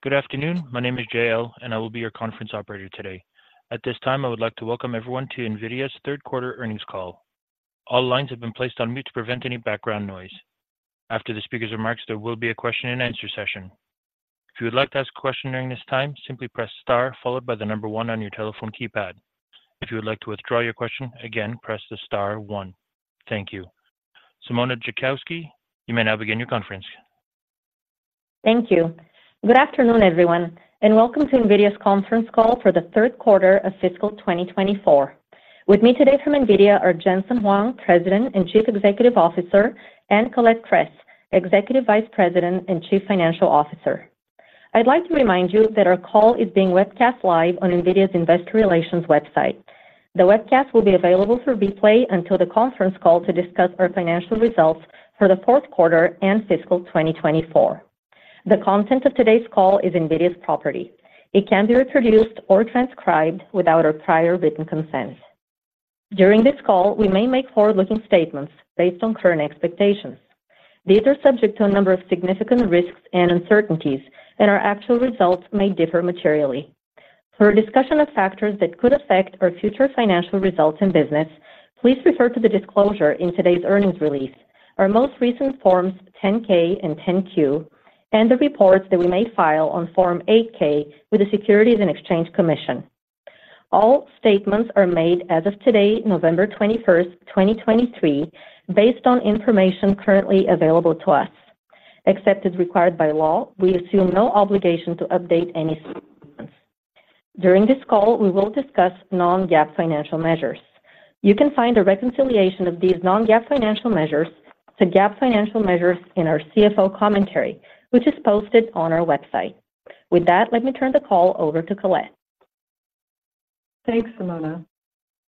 Good afternoon. My name is J.L., and I will be your conference operator today. At this time, I would like to welcome everyone to NVIDIA's Third Quarter Earnings Call. All lines have been placed on mute to prevent any background noise. After the speaker's remarks, there will be a question and answer session. If you would like to ask a question during this time, simply press star followed by the number one on your telephone keypad. If you would like to withdraw your question, again, press the star one. Thank you. Simona Jankowski, you may now begin your conference. Thank you. Good afternoon, everyone, and welcome to NVIDIA's conference call for the third quarter of fiscal 2024. With me today from NVIDIA are Jensen Huang, President and Chief Executive Officer, and Colette Kress, Executive Vice President and Chief Financial Officer. I'd like to remind you that our call is being webcast live on NVIDIA's Investor Relations website. The webcast will be available for replay until the conference call to discuss our financial results for the fourth quarter and fiscal 2024. The content of today's call is NVIDIA's property. It can't be reproduced or transcribed without our prior written consent. During this call, we may make forward-looking statements based on current expectations. These are subject to a number of significant risks and uncertainties, and our actual results may differ materially. For a discussion of factors that could affect our future financial results and business, please refer to the disclosure in today's earnings release, our most recent Forms 10-K and 10-Q, and the reports that we may file on Form 8-K with the Securities and Exchange Commission. All statements are made as of today, November 21, 2023, based on information currently available to us. Except as required by law, we assume no obligation to update any statements. During this call, we will discuss non-GAAP financial measures. You can find a reconciliation of these non-GAAP financial measures to GAAP financial measures in our CFO commentary, which is posted on our website. With that, let me turn the call over to Colette. Thanks, Simona.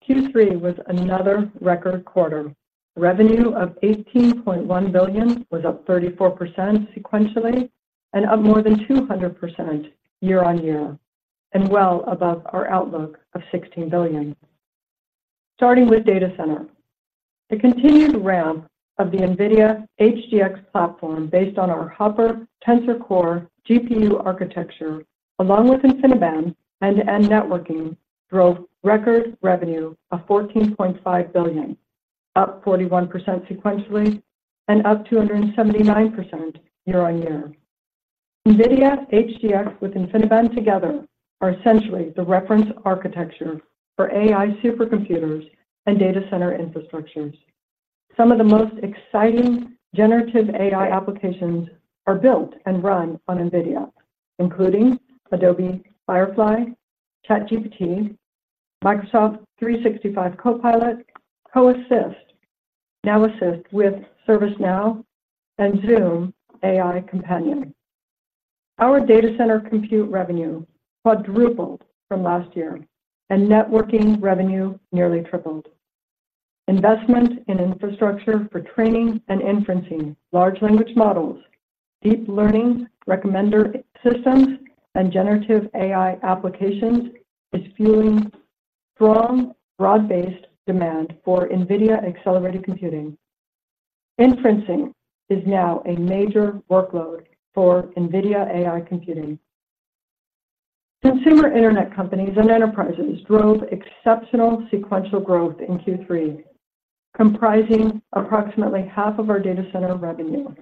Q3 was another record quarter. Revenue of $18.1 billion was up 34% sequentially and up more than 200% year-over-year, and well above our outlook of $16 billion. Starting with Data Center. The continued ramp of the NVIDIA HGX platform, based on our Hopper Tensor Core GPU architecture, along with InfiniBand end-to-end networking, drove record revenue of $14.5 billion, up 41% sequentially and up to 279% year-over-year. NVIDIA HGX with InfiniBand together are essentially the reference architecture for AI supercomputers and Data Center infrastructures. Some of the most exciting generative AI applications are built and run on NVIDIA, including Adobe Firefly, ChatGPT, Microsoft 365 Copilot, Code Assist, Now Assist with ServiceNow, and Zoom AI Companion. Our Data Center compute revenue quadrupled from last year, and networking revenue nearly tripled. Investment in infrastructure for training and inferencing, large language models, deep learning, recommender systems, and generative AI applications is fueling strong, broad-based demand for NVIDIA accelerated computing. Inferencing is now a major workload for NVIDIA AI computing. Consumer internet companies and enterprises drove exceptional sequential growth in Q3, comprising approximately half of our Data Center revenue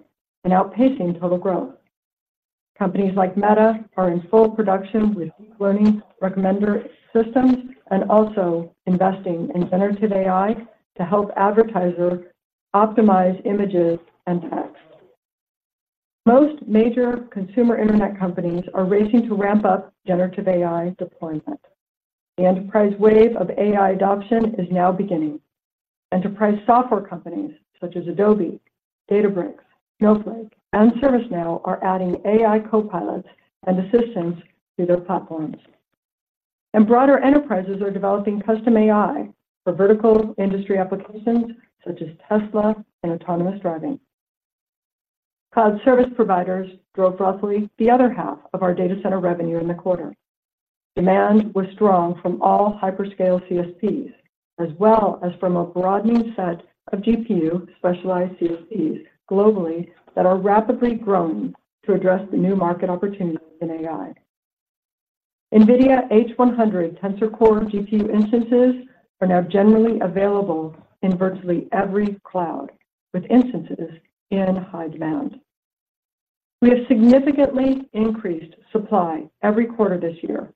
and outpacing total growth. Companies like Meta are in full production with deep learning recommender systems and also investing in generative AI to help advertisers optimize images and text. Most major consumer internet companies are racing to ramp up generative AI deployment. The enterprise wave of AI adoption is now beginning. Enterprise software companies such as Adobe, Databricks, Snowflake, and ServiceNow are adding AI copilots and assistants to their platforms. Broader enterprises are developing custom AI for vertical industry applications such as Tesla and autonomous driving. Cloud service providers drove roughly the other half of our Data Center revenue in the quarter. Demand was strong from all hyperscale CSPs, as well as from a broadening set of GPU-specialized CSPs globally that are rapidly growing to address the new market opportunities in AI. NVIDIA H100 Tensor Core GPU instances are now generally available in virtually every cloud, with instances in high demand. We have significantly increased supply every quarter this year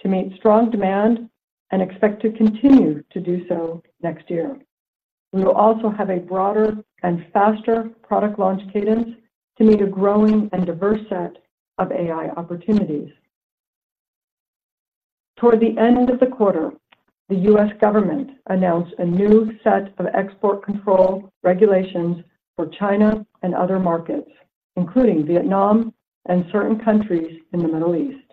to meet strong demand and expect to continue to do so next year. We will also have a broader and faster product launch cadence to meet a growing and diverse set of AI opportunities. Toward the end of the quarter, the U.S. government announced a new set of export control regulations for China and other markets, including Vietnam and certain countries in the Middle East.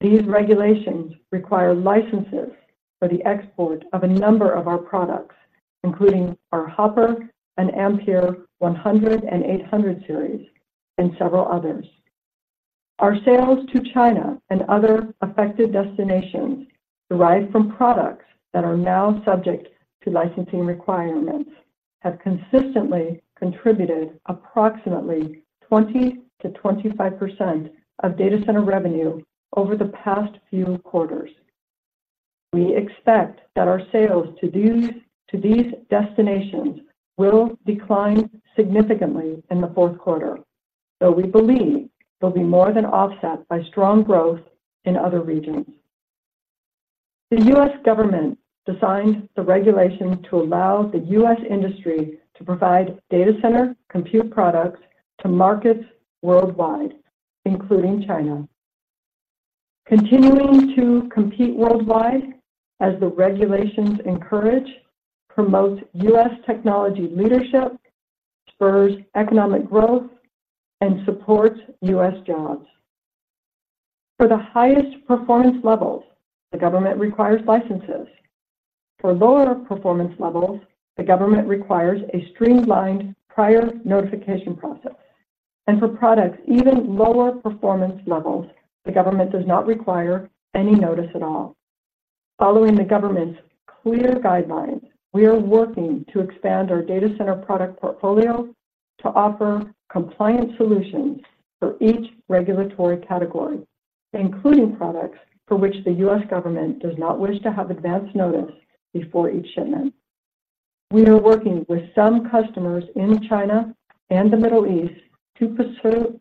These regulations require licenses for the export of a number of our products, including our Hopper and Ampere 100 and 800 series and several others. Our sales to China and other affected destinations derived from products that are now subject to licensing requirements, have consistently contributed approximately 20%-25% of Data Center revenue over the past few quarters. We expect that our sales to these destinations will decline significantly in the fourth quarter, though we believe they'll be more than offset by strong growth in other regions. The U.S. government designed the regulation to allow the U.S. industry to provide Data Center compute products to markets worldwide, including China. Continuing to compete worldwide, as the regulations encourage, promotes U.S. technology leadership, spurs economic growth, and supports U.S. jobs. For the highest performance levels, the government requires licenses. For lower performance levels, the government requires a streamlined prior notification process, and for products even lower performance levels, the government does not require any notice at all. Following the government's clear guidelines, we are working to expand our Data Center product portfolio to offer compliant solutions for each regulatory category, including products for which the U.S. government does not wish to have advanced notice before each shipment. We are working with some customers in China and the Middle East to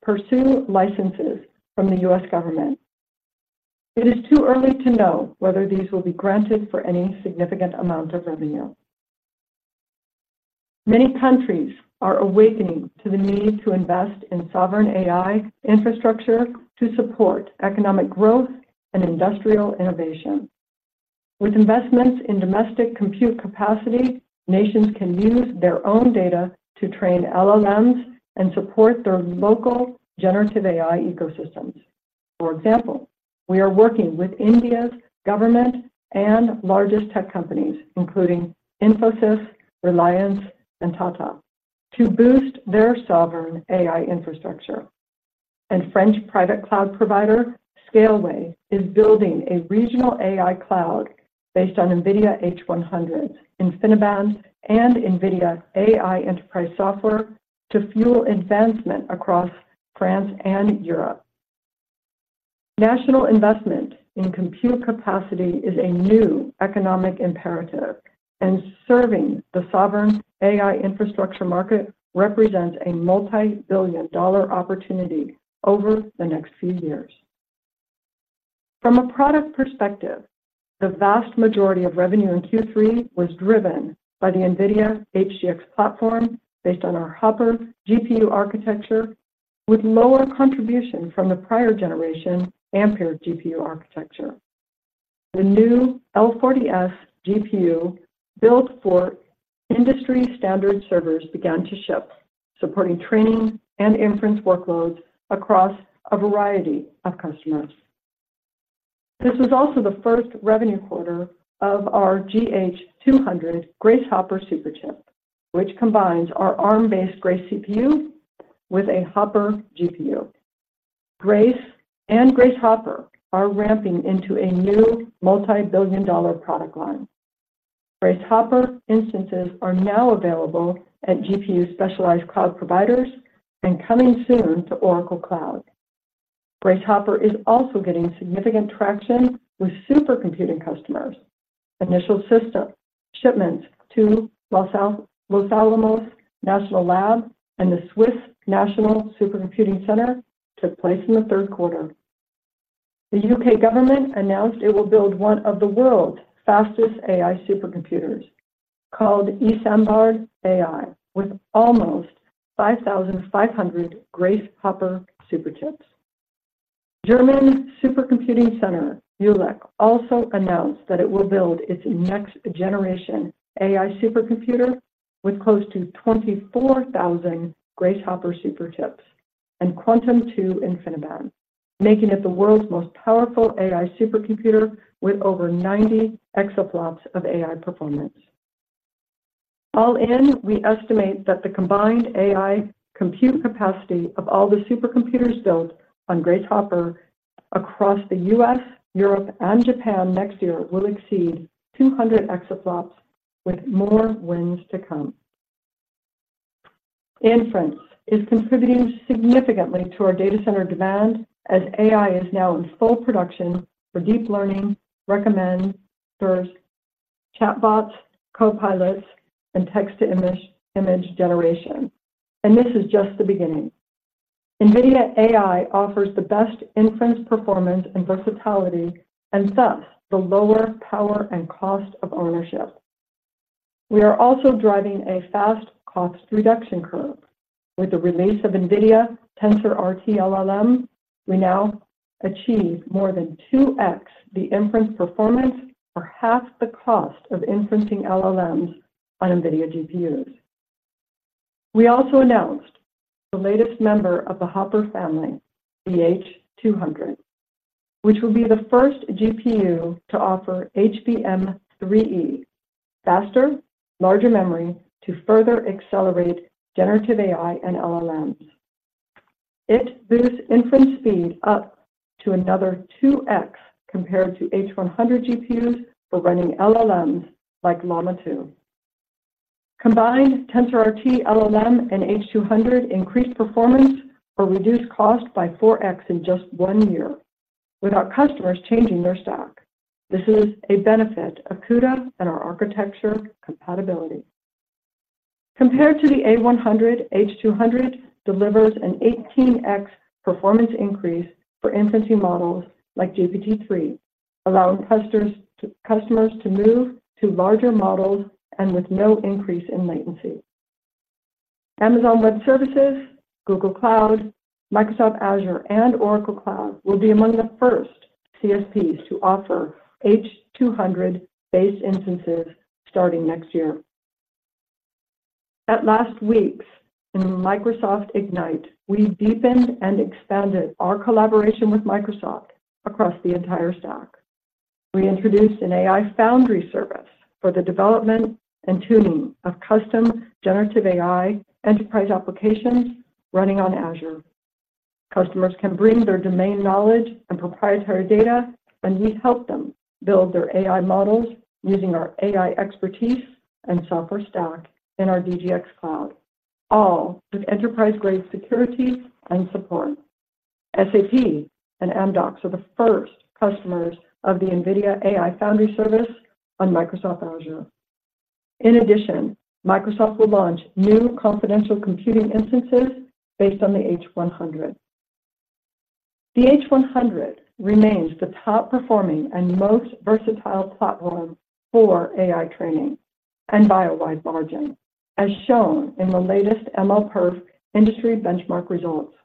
pursue licenses from the U.S. government. It is too early to know whether these will be granted for any significant amount of revenue. Many countries are awakening to the need to invest in sovereign AI infrastructure to support economic growth and industrial innovation. With investments in domestic compute capacity, nations can use their own data to train LLMs and support their local generative AI ecosystems. For example, we are working with India's government and largest tech companies, including Infosys, Reliance, and Tata, to boost their sovereign AI infrastructure. French private cloud provider Scaleway is building a regional AI cloud based on NVIDIA H100, InfiniBand, and NVIDIA AI Enterprise software to fuel advancement across France and Europe. National investment in compute capacity is a new economic imperative, and serving the sovereign AI infrastructure market represents a multi-billion-dollar opportunity over the next few years. From a product perspective, the vast majority of revenue in Q3 was driven by the NVIDIA HGX platform based on our Hopper GPU architecture, with lower contribution from the prior generation Ampere GPU architecture. The new L40S GPU, built for industry standard servers, began to ship, supporting training and inference workloads across a variety of customers. This was also the first revenue quarter of our GH200 Grace Hopper Superchip, which combines our Arm-based Grace CPU with a Hopper GPU. Grace and Grace Hopper are ramping into a new multi-billion dollar product line. Grace Hopper instances are now available at GPU specialized cloud providers and coming soon to Oracle Cloud. Grace Hopper is also getting significant traction with supercomputing customers. Initial system shipments to Los Alamos National Lab and the Swiss National Supercomputing Centre took place in the third quarter. The U.K. government announced it will build one of the world's fastest AI supercomputers, called Isambard-AI, with almost 5,500 Grace Hopper Superchips. Jülich Supercomputing Centre also announced that it will build its next generation AI supercomputer with close to 24,000 Grace Hopper Superchips and Quantum-2 InfiniBand, making it the world's most powerful AI supercomputer with over 90 exaflops of AI performance. All in, we estimate that the combined AI compute capacity of all the supercomputers built on Grace Hopper across the U.S., Europe, and Japan next year will exceed 200 exaflops, with more wins to come. Inference is contributing significantly to our Data Center demand, as AI is now in full production for deep learning, recommenders, chatbots, copilots, and text-to-image, image generation, and this is just the beginning. NVIDIA AI offers the best inference, performance, and versatility, and thus, the lower power and cost of ownership. We are also driving a fast cost reduction curve. With the release of NVIDIA TensorRT-LLM, we now achieve more than 2x the inference performance for half the cost of inferencing LLMs on NVIDIA GPUs. We also announced the latest member of the Hopper family, the H200, which will be the first GPU to offer HBM3e: faster, larger memory to further accelerate generative AI and LLMs. It boosts inference speed up to another 2x compared to H100 GPUs for running LLMs like Llama 2. Combined TensorRT-LLM and H200 increased performance or reduced cost by 4x in just one year without customers changing their stock. This is a benefit of CUDA and our architecture compatibility. Compared to the A100, H200 delivers an 18x performance increase for inference models like GPT-3, allowing customers to move to larger models and with no increase in latency. Amazon Web Services, Google Cloud, Microsoft Azure, and Oracle Cloud will be among the first CSPs to offer H200-based instances starting next year. At last week's Microsoft Ignite, we deepened and expanded our collaboration with Microsoft across the entire stack. We introduced an AI foundry service for the development and tuning of custom generative AI enterprise applications running on Azure. Customers can bring their domain knowledge and proprietary data, and we help them build their AI models using our AI expertise and software stack in our DGX Cloud, all with enterprise-grade security and support. SAP and Amdocs are the first customers of the NVIDIA AI foundry service on Microsoft Azure. In addition, Microsoft will launch new confidential computing instances based on the H100. The H100 remains the top-performing and most versatile platform for AI training, and by a wide margin, as shown in the latest MLPerf industry benchmark results.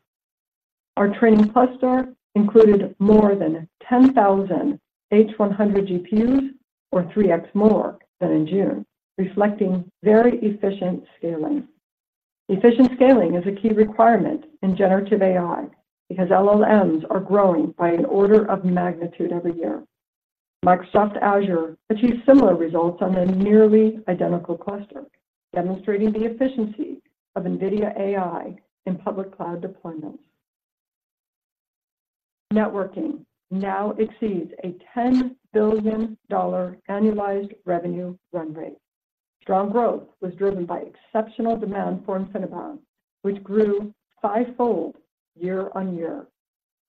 Our training cluster included more than 10,000 H100 GPUs or 3x more than in June, reflecting very efficient scaling. Efficient scaling is a key requirement in generative AI because LLMs are growing by an order of magnitude every year. Microsoft Azure achieved similar results on a nearly identical cluster, demonstrating the efficiency of NVIDIA AI in public cloud deployments. Networking now exceeds a $10 billion annualized revenue run rate. Strong growth was driven by exceptional demand for InfiniBand, which grew fivefold year-over-year.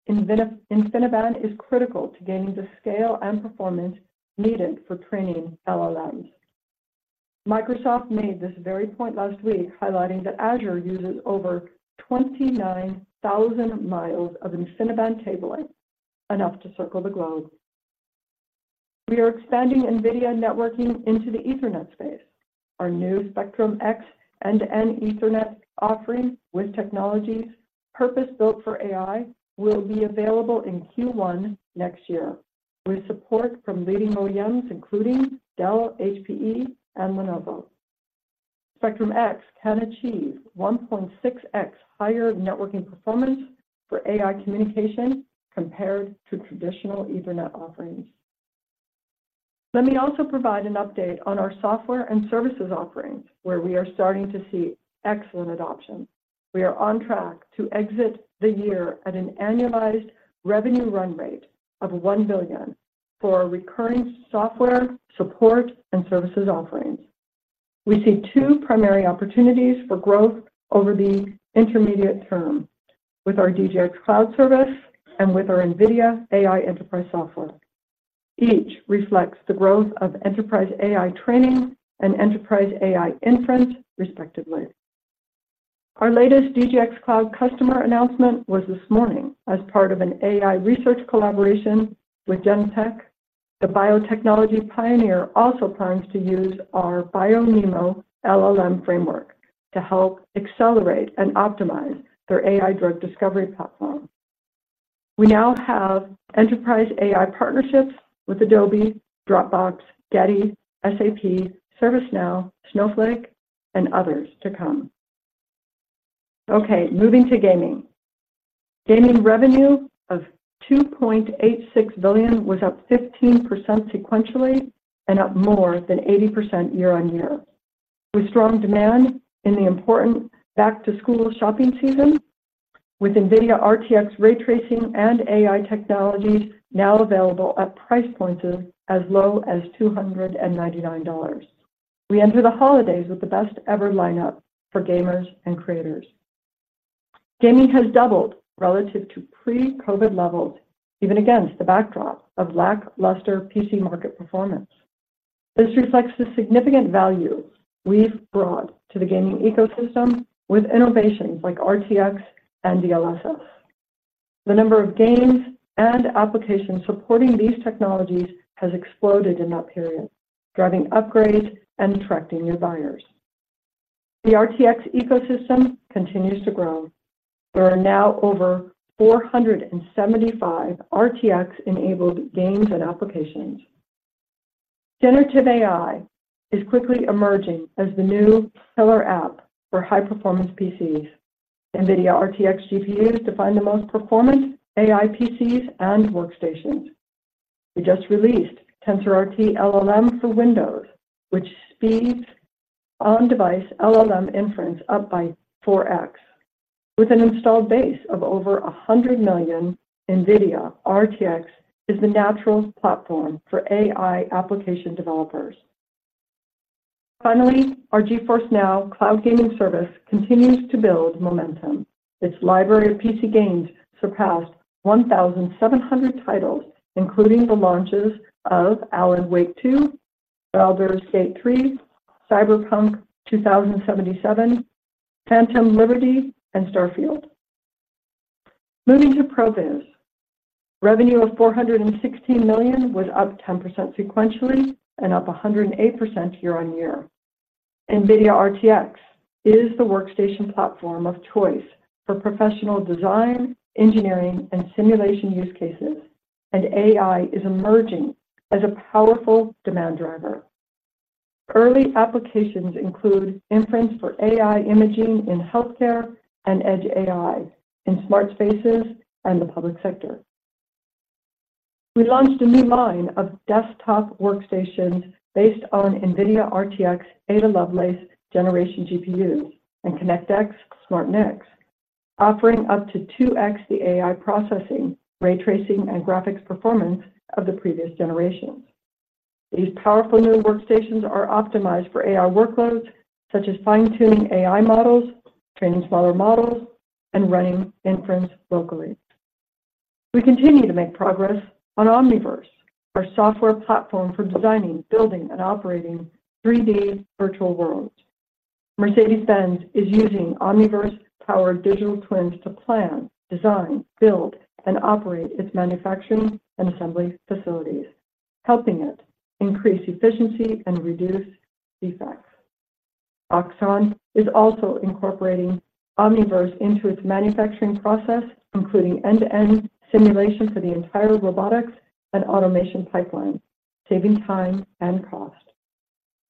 InfiniBand is critical to gaining the scale and performance needed for training LLMs. Microsoft made this very point last week, highlighting that Azure uses over 29,000 miles of InfiniBand cabling, enough to circle the globe. We are expanding NVIDIA networking into the Ethernet space. Our new Spectrum-X Ethernet offering with technologies purpose-built for AI will be available in Q1 next year, with support from leading OEMs, including Dell, HPE, and Lenovo. Spectrum-X can achieve 1.6x higher networking performance for AI communication compared to traditional Ethernet offerings. Let me also provide an update on our software and services offerings, where we are starting to see excellent adoption. We are on track to exit the year at an annualized revenue run rate of $1 billion for our recurring software, support, and services offerings. We see two primary opportunities for growth over the intermediate term with our DGX Cloud service and with our NVIDIA AI Enterprise software. Each reflects the growth of enterprise AI training and enterprise AI inference, respectively. Our latest DGX Cloud customer announcement was this morning as part of an AI research collaboration with Genentech. The biotechnology pioneer also plans to use our BioNeMo LLM framework to help accelerate and optimize their AI drug discovery platform. We now have enterprise AI partnerships with Adobe, Dropbox, Getty, SAP, ServiceNow, Snowflake, and others to come. Okay, moving to gaming. Gaming revenue of $2.86 billion was up 15% sequentially and up more than 80% year-on-year, with strong demand in the important back-to-school shopping season, with NVIDIA RTX ray tracing and AI technologies now available at price points as low as $299. We enter the holidays with the best-ever lineup for gamers and creators. Gaming has doubled relative to pre-COVID levels, even against the backdrop of lackluster PC market performance. This reflects the significant value we've brought to the gaming ecosystem with innovations like RTX and DLSS. The number of games and applications supporting these technologies has exploded in that period, driving upgrades and attracting new buyers. The RTX ecosystem continues to grow. There are now over 475 RTX-enabled games and applications. Generative AI is quickly emerging as the new killer app for high-performance PCs. NVIDIA RTX GPUs define the most performant AI PCs and workstations. We just released TensorRT-LLM for Windows, which speeds on-device LLM inference up by 4x. With an installed base of over 100 million, NVIDIA RTX is the natural platform for AI application developers. Finally, our GeForce NOW cloud gaming service continues to build momentum. Its library of PC games surpassed 1,700 titles, including the launches of Alan Wake 2, Baldur's Gate 3, Cyberpunk 2077: Phantom Liberty, and Starfield. Moving to Pro Viz. Revenue of $416 million was up 10% sequentially and up 108% year-on-year. NVIDIA RTX is the workstation platform of choice for professional design, engineering, and simulation use cases, and AI is emerging as a powerful demand driver. Early applications include inference for AI imaging in healthcare and Edge AI in smart spaces and the public sector. We launched a new line of desktop workstations based on NVIDIA RTX Ada Lovelace generation GPUs and ConnectX SmartNICs, offering up to 2x the AI processing, ray tracing, and graphics performance of the previous generations. These powerful new workstations are optimized for AI workloads, such as fine-tuning AI models, training smaller models, and running inference locally. We continue to make progress on Omniverse, our software platform for designing, building, and operating 3D virtual worlds. Mercedes-Benz is using Omniverse-powered digital twins to plan, design, build, and operate its manufacturing and assembly facilities, helping it increase efficiency and reduce defects. Axon is also incorporating Omniverse into its manufacturing process, including end-to-end simulation for the entire robotics and automation pipeline, saving time and cost.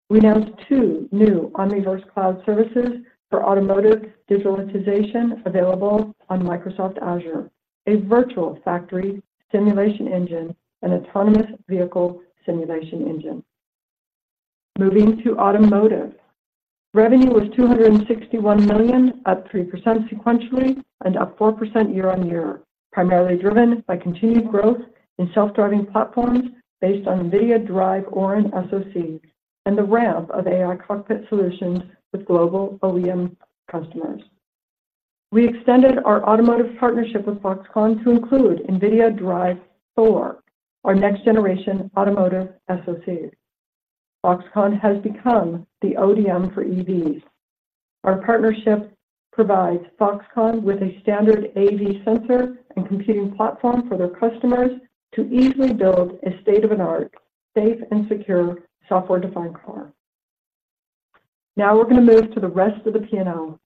We announced two new Omniverse cloud services for automotive digitalization available on Microsoft Azure, a virtual factory simulation engine, and autonomous vehicle simulation engine. Moving to automotive. Revenue was $261 million, up 3% sequentially and up 4% year-on-year, primarily driven by continued growth in self-driving platforms based on NVIDIA Drive Orin SoC and the ramp of AI cockpit solutions with global OEM customers. We extended our automotive partnership with Foxconn to include NVIDIA Drive Thor, our next-generation automotive SoC. Foxconn has become the ODM for EVs. Our partnership provides Foxconn with a standard AV sensor and computing platform for their customers to easily build a state-of-the-art, safe, and secure software-defined car. Now we're going to move to the rest of the P&L.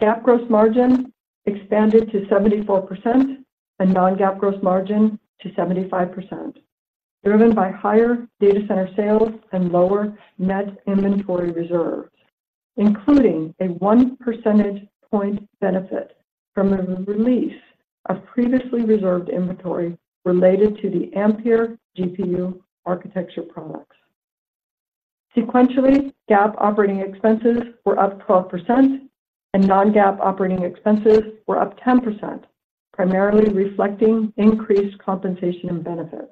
GAAP gross margin expanded to 74% and non-GAAP gross margin to 75%, driven by higher Data Center sales and lower net inventory reserves, including a one percentage point benefit from the release of previously reserved inventory related to the Ampere GPU architecture products. Sequentially, GAAP operating expenses were up 12%, and non-GAAP operating expenses were up 10%, primarily reflecting increased compensation and benefits.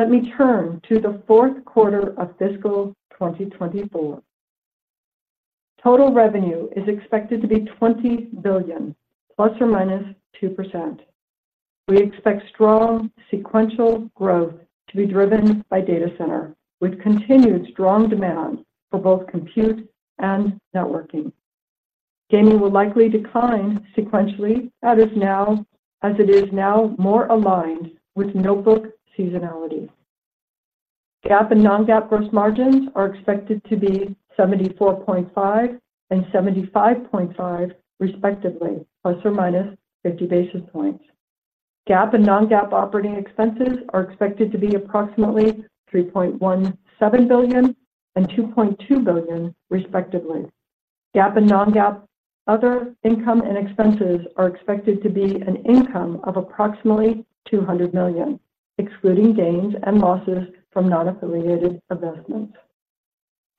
Let me turn to the fourth quarter of fiscal 2024. Total revenue is expected to be $20 billion ±2%. We expect strong sequential growth to be driven by Data Center, with continued strong demand for both compute and networking. Gaming will likely decline sequentially, as it is now more aligned with notebook seasonality. GAAP and non-GAAP gross margins are expected to be 74.5% and 75.5%, respectively, ±50 basis points. GAAP and non-GAAP operating expenses are expected to be approximately $3.17 billion and $2.2 billion, respectively. GAAP and non-GAAP other income and expenses are expected to be an income of approximately $200 million, excluding gains and losses from non-affiliated investments.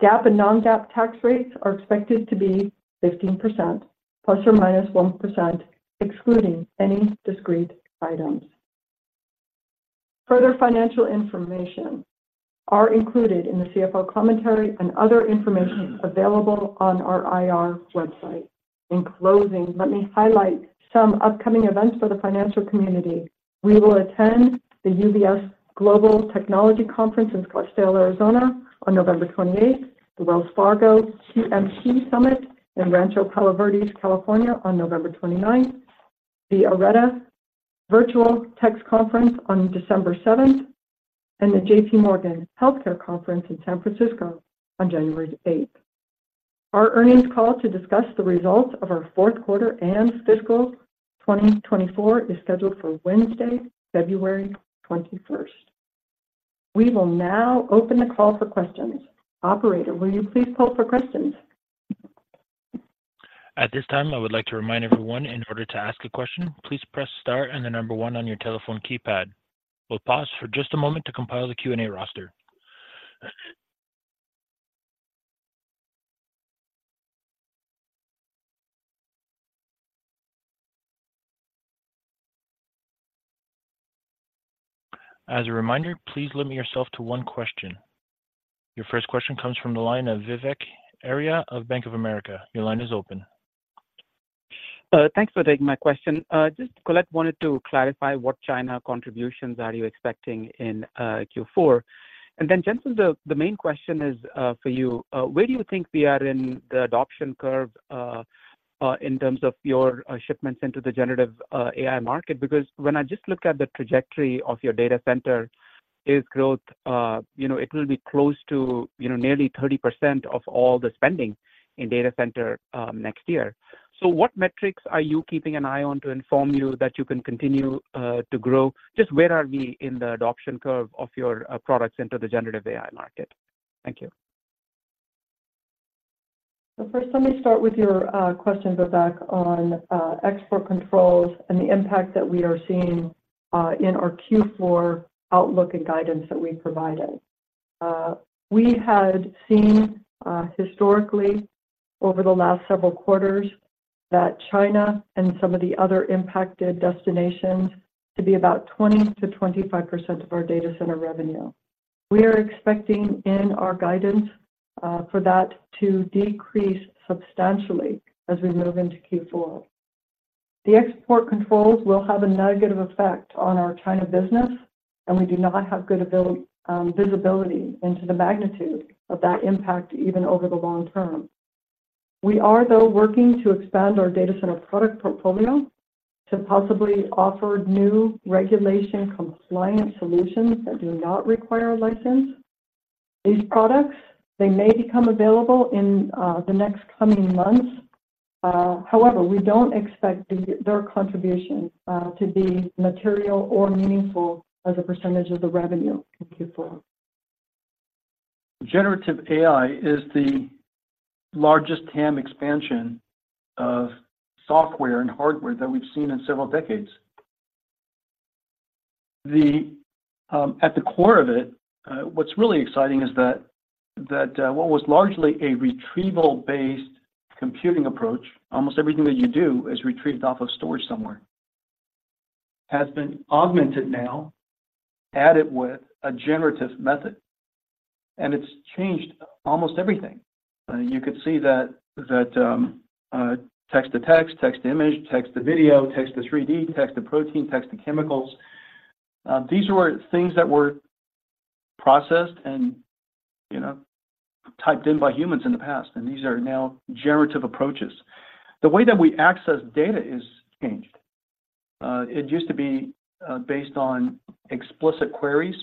GAAP and non-GAAP tax rates are expected to be 15%, ±1%, excluding any discrete items. Further financial information are included in the CFO commentary and other information available on our IR website. In closing, let me highlight some upcoming events for the financial community. We will attend the UBS Global Technology Conference in Scottsdale, Arizona, on November 28th, the Wells Fargo TMT Summit in Rancho Palos Verdes, California, on November 29th, the Arete Virtual Tech Conference on December 7th, and the JPMorgan Healthcare Conference in San Francisco on January 8th. Our earnings call to discuss the results of our fourth quarter and fiscal 2024 is scheduled for Wednesday, February 21st. We will now open the call for questions. Operator, will you please poll for questions? At this time, I would like to remind everyone, in order to ask a question, please press star and the number one on your telephone keypad. We'll pause for just a moment to compile the Q&A roster. As a reminder, please limit yourself to one question. Your first question comes from the line of Vivek Arya of Bank of America. Your line is open. Thanks for taking my question. Just, Colette, wanted to clarify what China contributions are you expecting in Q4? And then, Jensen, the main question is for you. Where do you think we are in the adoption curve in terms of your shipments into the generative AI market? Because when I just look at the trajectory of your Data Center's growth, you know, it will be close to, you know, nearly 30% of all the spending in Data Center next year. So what metrics are you keeping an eye on to inform you that you can continue to grow? Just where are we in the adoption curve of your products into the generative AI market? Thank you. So first, let me start with your question, Vivek, on export controls and the impact that we are seeing in our Q4 outlook and guidance that we provided. We had seen, historically, over the last several quarters, that China and some of the other impacted destinations to be about 20%-25% of our Data Center revenue. We are expecting in our guidance for that to decrease substantially as we move into Q4. The export controls will have a negative effect on our China business, and we do not have good visibility into the magnitude of that impact, even over the long term. We are, though, working to expand our Data Center product portfolio to possibly offer new regulation compliance solutions that do not require a license. These products, they may become available in the next coming months. However, we don't expect their contribution to be material or meaningful as a percentage of the revenue in Q4. Generative AI is the largest TAM expansion of software and hardware that we've seen in several decades. At the core of it, what's really exciting is that what was largely a retrieval-based computing approach, almost everything that you do is retrieved off of storage somewhere, has been augmented now, added with a generative method, and it's changed almost everything. You could see that text-to-text, text-to-image, text-to-video, text-to-3D, text-to-protein, text-to-chemicals. These were things that were processed and, you know, typed in by humans in the past, and these are now generative approaches. The way that we access data is changed. It used to be based on explicit queries.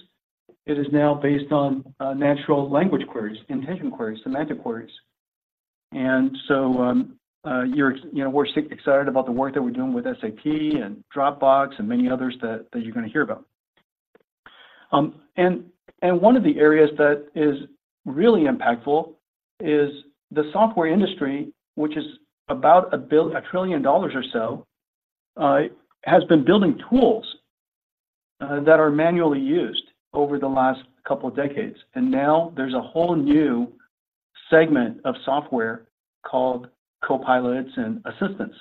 It is now based on natural language queries, intention queries, semantic queries. You know, we're excited about the work that we're doing with SAP and Dropbox and many others that you're going to hear about. And one of the areas that is really impactful is the software industry, which is about $1 trillion or so, has been building tools that are manually used over the last couple of decades. And now there's a whole new segment of software called Copilots and Assistants.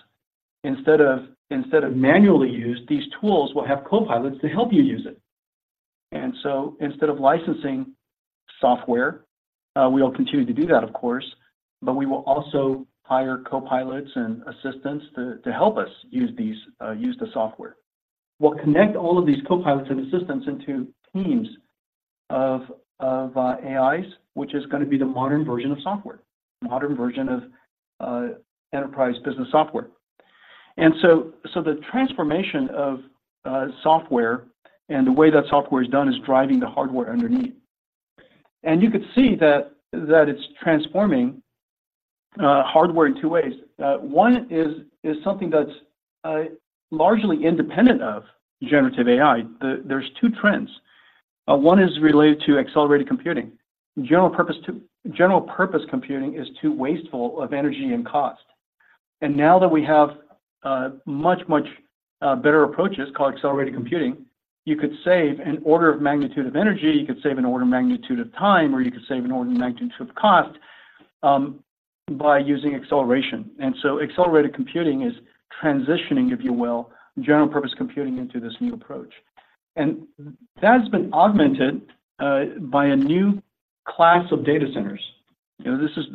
Instead of manually used, these tools will have copilots to help you use it. Instead of licensing software, we will continue to do that, of course, but we will also hire copilots and assistants to help us use these, use the software. We'll connect all of these copilots and assistants into teams of AIs, which is going to be the modern version of software, modern version of enterprise business software. So the transformation of software and the way that software is done is driving the hardware underneath. And you could see that it's transforming hardware in two ways. One is something that's largely independent of generative AI. There's two trends. One is related to accelerated computing. General purpose computing is too wasteful of energy and cost. And now that we have much better approaches called accelerated computing, you could save an order of magnitude of energy, you could save an order of magnitude of time, or you could save an order of magnitude of cost by using acceleration. Accelerated computing is transitioning, if you will, general purpose computing into this new approach. That has been augmented by a new class of Data Centers. You know, this is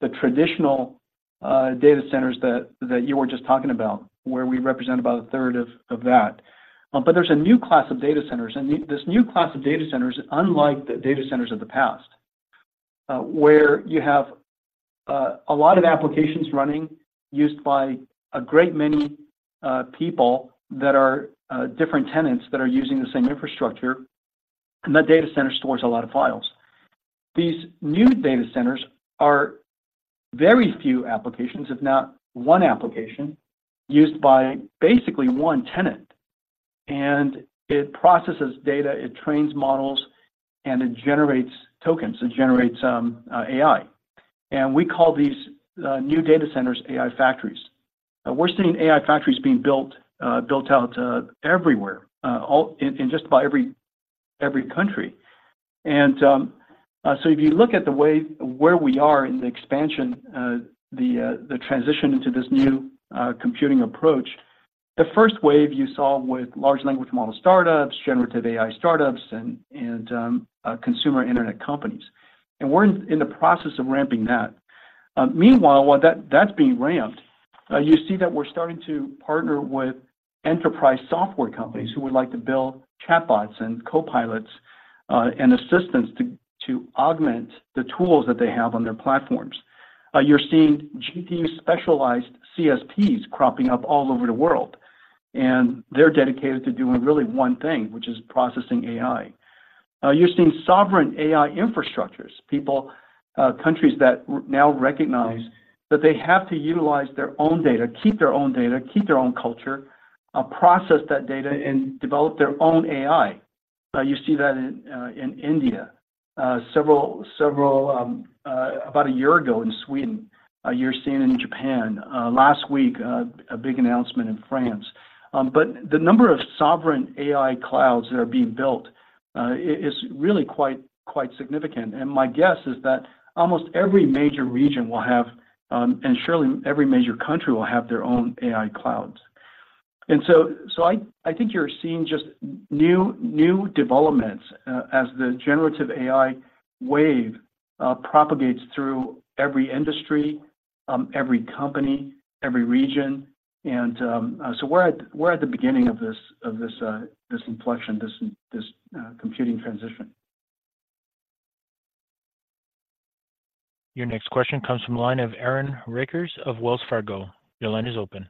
the traditional Data Centers that you were just talking about, where we represent about a third of that. But there's a new class of Data Centers, and this new class of Data Centers, unlike the Data Centers of the past, where you have a lot of applications running, used by a great many people that are different tenants that are using the same infrastructure, and that Data Center stores a lot of files. These new Data Centers are very few applications, if not one application, used by basically one tenant. And it processes data, it trains models, and it generates tokens, it generates AI. We call these new Data Centers AI factories. We're seeing AI factories being built out everywhere, all in just about every country. So if you look at the way where we are in the expansion, the transition into this new computing approach, the first wave you saw with large language model startups, generative AI startups, and consumer internet companies. We're in the process of ramping that. Meanwhile, while that's being ramped, you see that we're starting to partner with enterprise software companies who would like to build chatbots and copilots and assistants to augment the tools that they have on their platforms. You're seeing GPU-specialized CSPs cropping up all over the world, and they're dedicated to doing really one thing, which is processing AI. You're seeing sovereign AI infrastructures, people, countries that now recognize that they have to utilize their own data, keep their own data, keep their own culture, process that data, and develop their own AI. You see that in, in India, several, about a year ago in Sweden, you're seeing it in Japan. Last week, a big announcement in France. But the number of sovereign AI clouds that are being built, is really quite significant, and my guess is that almost every major region will have, and surely every major country will have their own AI clouds. And so, I think you're seeing just new developments, as the generative AI wave propagates through every industry, every company, every region. So we're at the beginning of this inflection, this computing transition. Your next question comes from the line of Aaron Rakers of Wells Fargo. Your line is open.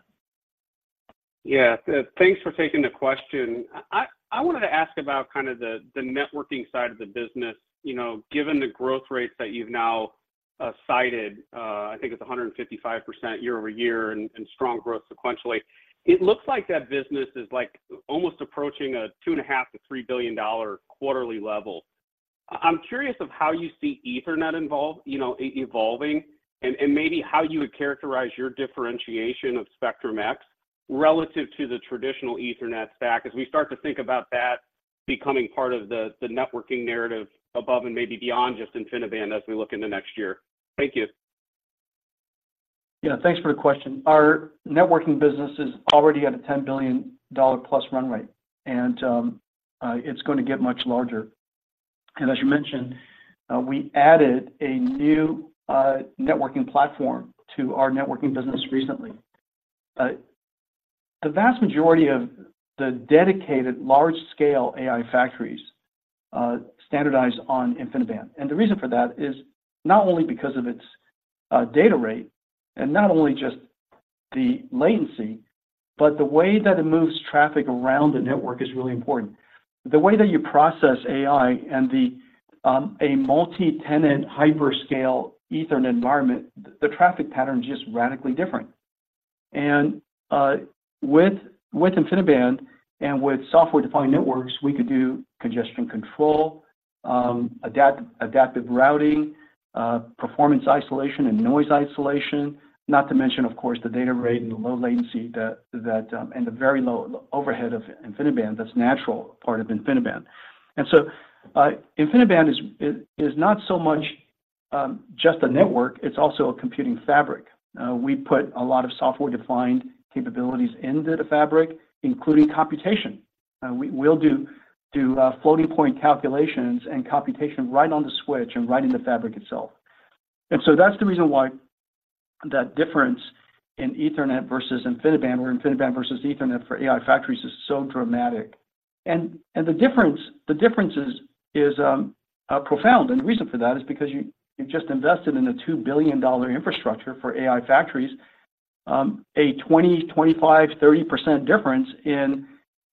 Yeah, thanks for taking the question. I wanted to ask about kind of the networking side of the business. You know, given the growth rates that you've now cited, I think it's 155% year-over-year and strong growth sequentially. It looks like that business is like almost approaching a $2.5 billion-$3 billion quarterly level. I'm curious of how you see Ethernet involved, you know, evolving, and maybe how you would characterize your differentiation of Spectrum-X relative to the traditional Ethernet stack, as we start to think about that becoming part of the networking narrative above and maybe beyond just InfiniBand, as we look in the next year. Thank you. Yeah, thanks for the question. Our networking business is already at a $10 billion+ run rate, and it's going to get much larger. And as you mentioned, we added a new networking platform to our networking business recently. The vast majority of the dedicated large-scale AI factories standardize on InfiniBand. And the reason for that is not only because of its data rate and not only just the latency, but the way that it moves traffic around the network is really important. The way that you process AI and the a multi-tenant, hyper-scale Ethernet environment, the traffic pattern is just radically different. And with InfiniBand and with software-defined networks, we could do congestion control, adaptive routing, performance isolation and noise isolation. Not to mention, of course, the data rate and the low latency and the very low overhead of InfiniBand, that's natural part of InfiniBand. So, InfiniBand is not so much just a network, it's also a computing fabric. We put a lot of software-defined capabilities into the fabric, including computation. We'll do floating-point calculations and computation right on the switch and right in the fabric itself. So that's the reason why that difference in Ethernet versus InfiniBand, or InfiniBand versus Ethernet for AI factories is so dramatic. And the difference is profound, and the reason for that is because you just invested in a $2 billion infrastructure for AI factories. A 20%, 25%, 30% difference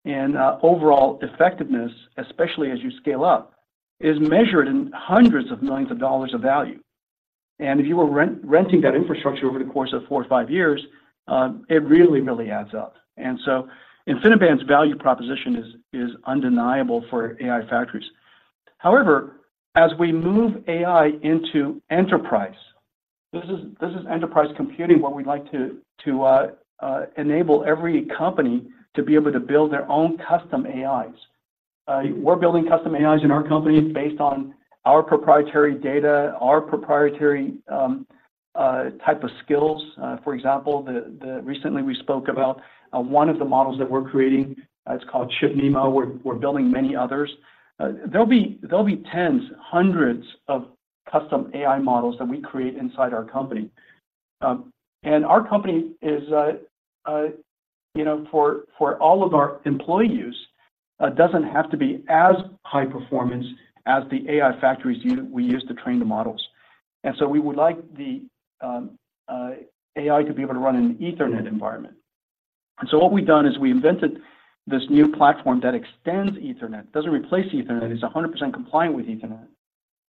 in overall effectiveness, especially as you scale up, is measured in hundreds of millions of dollars of value. If you were renting that infrastructure over the course of four to five years, it really, really adds up. So InfiniBand's value proposition is undeniable for AI factories. However, as we move AI into enterprise, enterprise computing, what we'd like to enable every company to be able to build their own custom AIs. We're building custom AIs in our company based on our proprietary data, our proprietary type of skills. For example, recently we spoke about one of the models that we're creating, it's called ChipNeMo. We're building many others. There'll be, there'll be tens, hundreds of custom AI models that we create inside our company. And our company is, you know, for all of our employees, doesn't have to be as high performance as the AI factories we use to train the models. And so we would like the AI to be able to run in an Ethernet environment. And so what we've done is we invented this new platform that extends Ethernet, doesn't replace Ethernet, it's 100% compliant with Ethernet...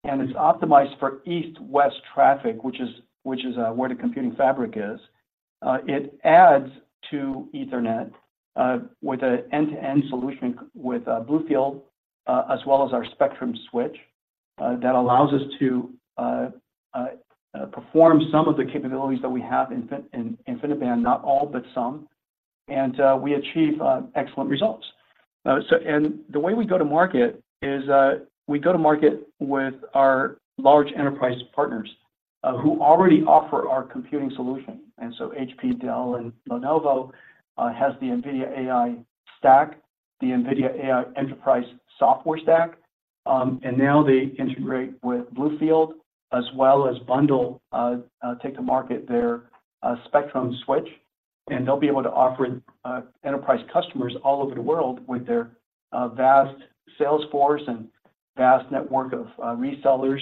and it's optimized for east-west traffic, which is where the computing fabric is. It adds to Ethernet with an end-to-end solution with BlueField as well as our Spectrum switch that allows us to perform some of the capabilities that we have in InfiniBand, not all, but some, and we achieve excellent results. And the way we go to market is we go to market with our large enterprise partners who already offer our computing solution. HP, Dell, and Lenovo has the NVIDIA AI stack, the NVIDIA AI Enterprise software stack, and now they integrate with BlueField as well as bundle, take to market their Spectrum switch, and they'll be able to offer enterprise customers all over the world with their vast sales force and vast network of resellers,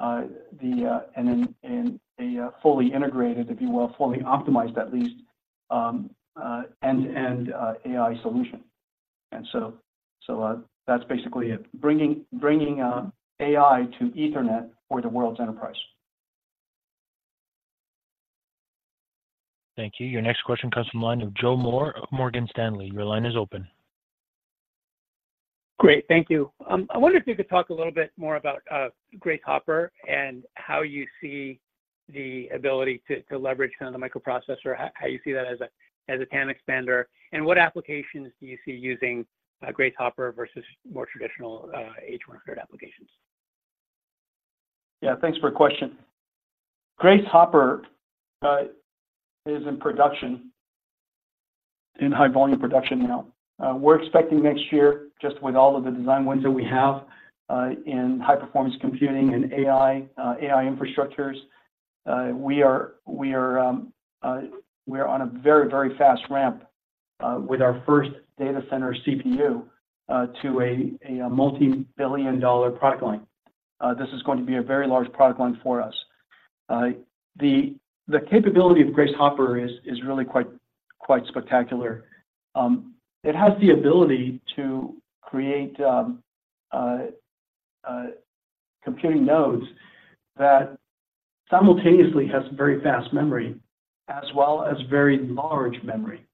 and a fully integrated, if you will, fully optimized, at least, end-to-end AI solution. So that's basically it. Bringing AI to Ethernet for the World's enterprise. Thank you. Your next question comes from the line of Joe Moore of Morgan Stanley. Your line is open. Great, thank you. I wonder if you could talk a little bit more about Grace Hopper and how you see the ability to leverage kind of the microprocessor, how you see that as a TAM expander, and what applications do you see using Grace Hopper versus more traditional H100 applications? Yeah, thanks for your question. Grace Hopper is in production, in high volume production now. We're expecting next year, just with all of the design wins that we have in high performance computing and AI, AI infrastructures, we're on a very, very fast ramp with our first Data Center CPU to a multi-billion dollar product line. This is going to be a very large product line for us. The capability of Grace Hopper is really quite spectacular. It has the ability to create computing nodes that simultaneously has very fast memory, as well as very large memory.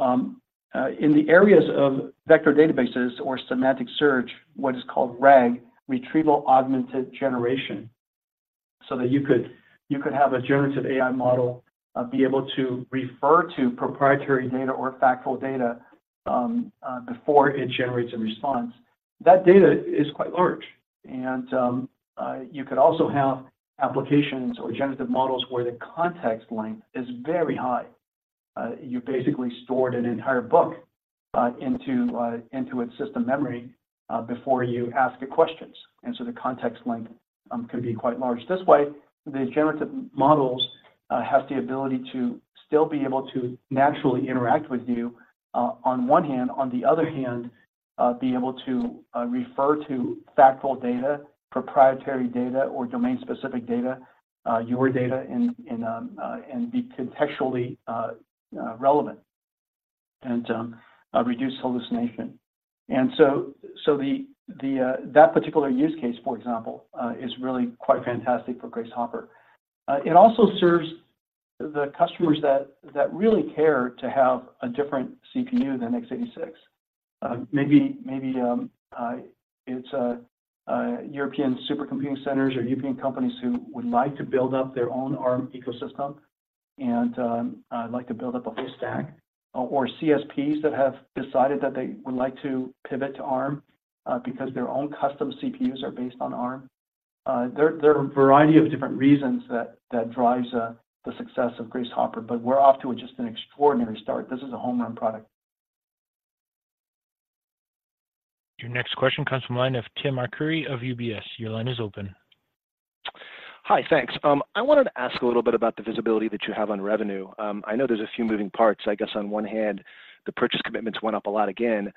In the areas of vector databases or semantic search, what is called RAG, Retrieval-Augmented Generation, so that you could have a generative AI model be able to refer to proprietary data or factual data before it generates a response. That data is quite large, and you could also have applications or generative models where the context length is very high. You basically stored an entire book into its system memory before you ask it questions, and so the context length could be quite large. This way, the generative models have the ability to still be able to naturally interact with you on one hand. On the other hand, be able to refer to factual data, proprietary data, or domain-specific data, your data, and be contextually relevant and reduce hallucination. So, that particular use case, for example, is really quite fantastic for Grace Hopper. It also serves the customers that really care to have a different CPU than x86. Maybe it's a European supercomputing centers or European companies who would like to build up their own ARM ecosystem and like to build up a whole stack, or CSPs that have decided that they would like to pivot to ARM, because their own custom CPUs are based on ARM.There are a variety of different reasons that drives the success of Grace Hopper, but we're off to just an extraordinary start. This is a home run product. Your next question comes from line of Timothy Arcuri of UBS. Your line is open. Hi, thanks. I wanted to ask a little bit about the visibility that you have on revenue. I know there's a few moving parts. I guess on one hand, the purchase commitments went up a lot again,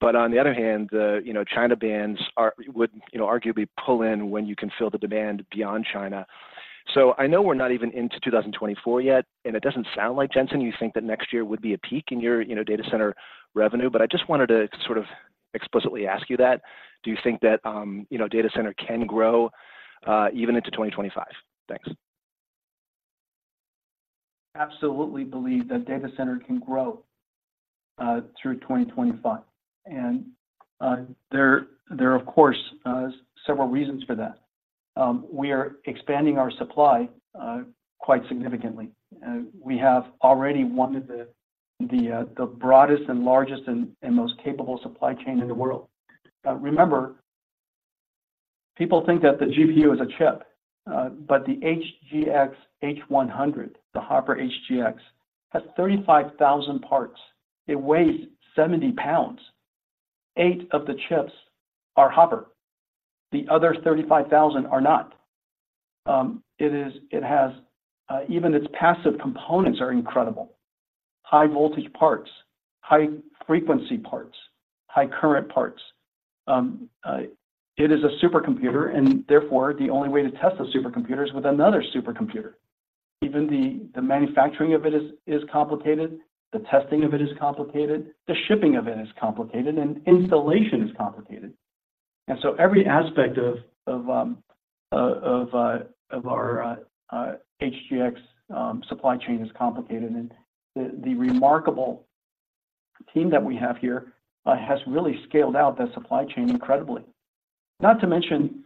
but on the other hand, the, you know, China bans would, you know, arguably pull in when you can fill the demand beyond China. So I know we're not even into 2024 yet, and it doesn't sound like, Jensen, you think that next year would be a peak in your, you know, Data Center revenue, but I just wanted to sort of explicitly ask you that. Do you think that, you know, Data Center can grow even into 2025? Thanks. Absolutely believe that Data Center can grow through 2025, and there are of course several reasons for that. We are expanding our supply quite significantly. We have already one of the broadest and largest and most capable supply chain in the world. Remember, people think that the GPU is a chip, but the HGX H100, the Hopper HGX, has 35,000 parts. It weighs 70 pounds. Eight of the chips are Hopper, the other 35,000 are not. It has even its passive components are incredible. High voltage parts, high frequency parts, high current parts. It is a supercomputer, and therefore, the only way to test a supercomputer is with another supercomputer. Even the manufacturing of it is complicated, the testing of it is complicated, the shipping of it is complicated, and installation is complicated. And so every aspect of our HGX supply chain is complicated, and the remarkable team that we have here has really scaled out that supply chain incredibly. Not to mention,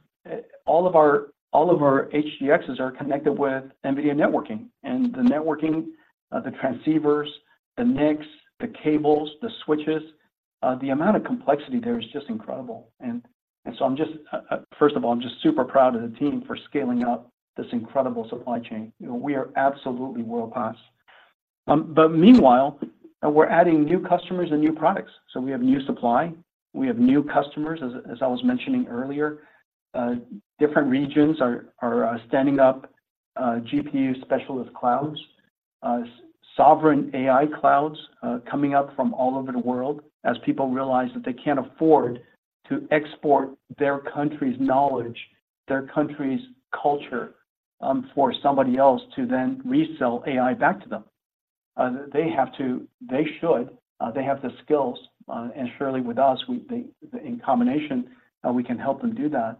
all of our HGXs are connected with NVIDIA networking and the networking, the transceivers, the NICs, the cables, the switches, the amount of complexity there is just incredible. And so I'm just, first of all, I'm just super proud of the team for scaling up this incredible supply chain. We are absolutely world-class. But meanwhile, we're adding new customers and new products. So we have new supply, we have new customers, as I was mentioning earlier. Different regions are standing up GPU specialist clouds, sovereign AI clouds, coming up from all over the world as people realize that they can't afford to export their country's knowledge, their country's culture, for somebody else to then resell AI back to them. They have to- they should, they have the skills, and surely with us, we - they - in combination, we can help them do that,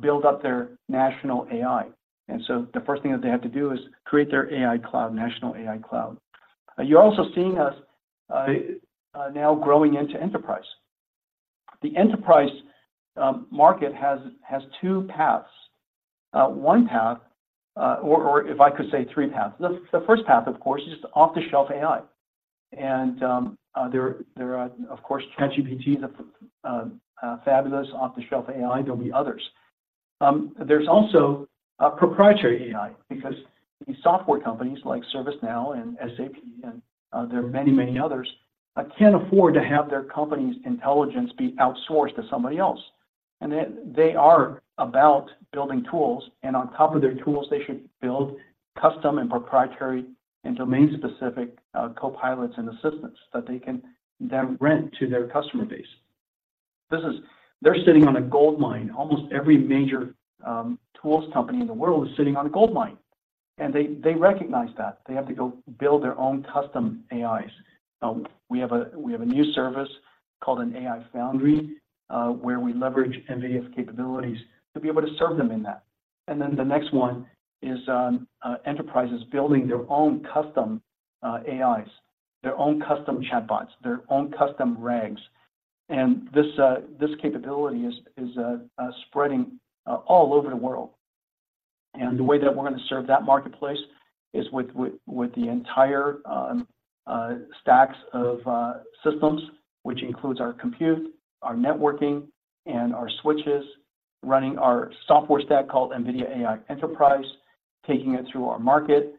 build up their national AI. And so the first thing that they have to do is create their AI cloud, national AI cloud. You're also seeing us now growing into enterprise. The enterprise market has two paths. One path, or if I could say three paths. The first path, of course, is off-the-shelf AI. There are, of course, ChatGPT is a fabulous off-the-shelf AI. There'll be others. There's also a proprietary AI because these software companies like ServiceNow and SAP, and there are many, many others, can't afford to have their company's intelligence be outsourced to somebody else. And they are about building tools, and on top of their tools, they should build custom and proprietary and domain-specific copilots and assistants that they can then rent to their customer base. This is. They're sitting on a gold mine. Almost every major tools company in the world is sitting on a gold mine, and they recognize that. They have to go build their own custom AIs. We have a new service called an AI foundry, where we leverage NVIDIA's capabilities to be able to serve them in that. And then the next one is enterprises building their own custom AIs, their own custom chatbots, their own custom RAGs. And this capability is spreading all over the world. And the way that we're gonna serve that marketplace is with the entire stacks of systems, which includes our compute, our networking, and our switches, running our software stack called NVIDIA AI Enterprise, taking it through our market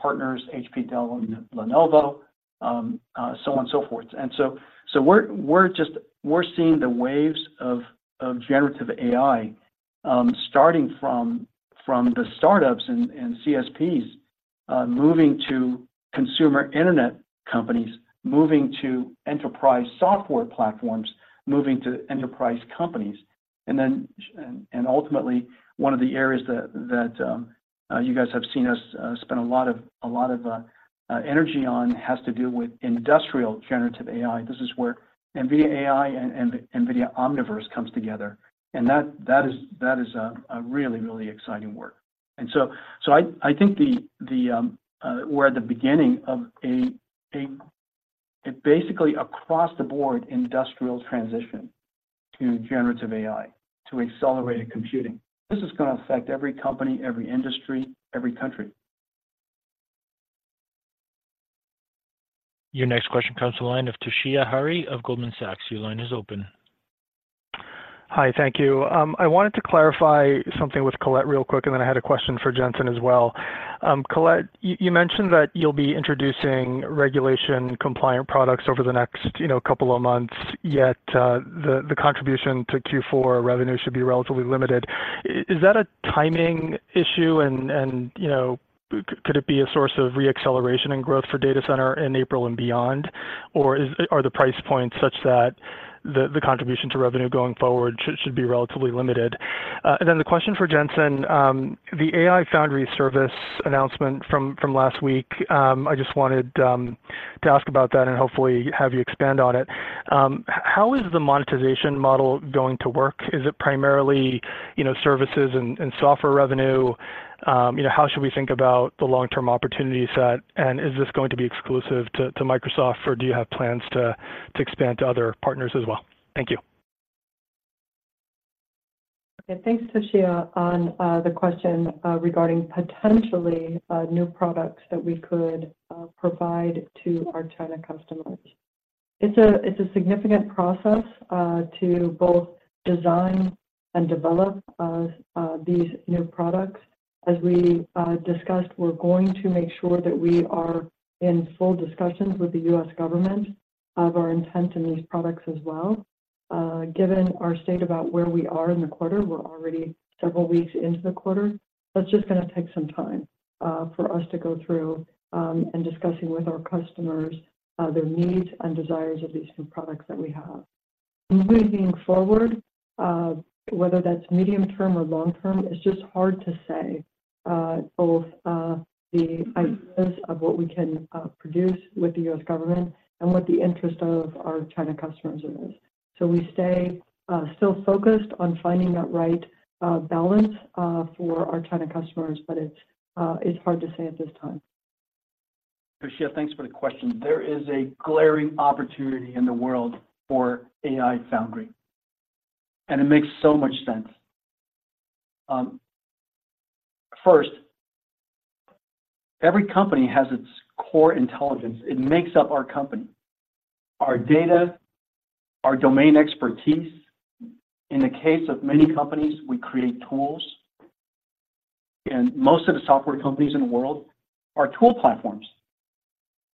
partners, HP, Dell, and Lenovo, so on and so forth. We're seeing the waves of generative AI, starting from the startups and CSPs, moving to consumer internet companies, moving to enterprise software platforms, moving to enterprise companies. Ultimately, one of the areas that you guys have seen us spend a lot of energy on has to do with industrial generative AI. This is where NVIDIA AI and NVIDIA Omniverse comes together, and that is a really exciting work. I think we're at the beginning of a basically across-the-board industrial transition to generative AI, to accelerated computing. This is gonna affect every company, every industry, every country. Your next question comes to the line of Toshiya Hari of Goldman Sachs. Your line is open. Hi, thank you. I wanted to clarify something with Colette real quick, and then I had a question for Jensen as well. Colette, you mentioned that you'll be introducing regulation-compliant products over the next, you know, couple of months, yet the contribution to Q4 revenue should be relatively limited. Is that a timing issue, and you know, could it be a source of re-acceleration and growth for Data Center in April and beyond? Or are the price points such that the contribution to revenue going forward should be relatively limited? And then the question for Jensen, the AI foundry service announcement from last week, I just wanted to ask about that and hopefully have you expand on it. How is the monetization model going to work? Is it primarily, you know, services and, and software revenue? You know, how should we think about the long-term opportunity set, and is this going to be exclusive to, to Microsoft, or do you have plans to, to expand to other partners as well? Thank you. Okay, thanks, Toshiya. On the question regarding potentially new products that we could provide to our China customers. It's a significant process to both design and develop these new products. As we discussed, we're going to make sure that we are in full discussions with the U.S. government of our intent in these products as well. Given our state about where we are in the quarter, we're already several weeks into the quarter. That's just gonna take some time for us to go through and discussing with our customers their needs and desires of these new products that we have. Moving forward, whether that's medium term or long term, it's just hard to say, both, the ideas of what we can produce with the U.S. government and what the interest of our China customers are is. So we stay still focused on finding that right balance for our China customers, but it's, it's hard to say at this time. Toshiya, thanks for the question. There is a glaring opportunity in the world for AI foundry, and it makes so much sense. First, every company has its core intelligence. It makes up our company, our data, our domain expertise. In the case of many companies, we create tools, and most of the software companies in the world are tool platforms.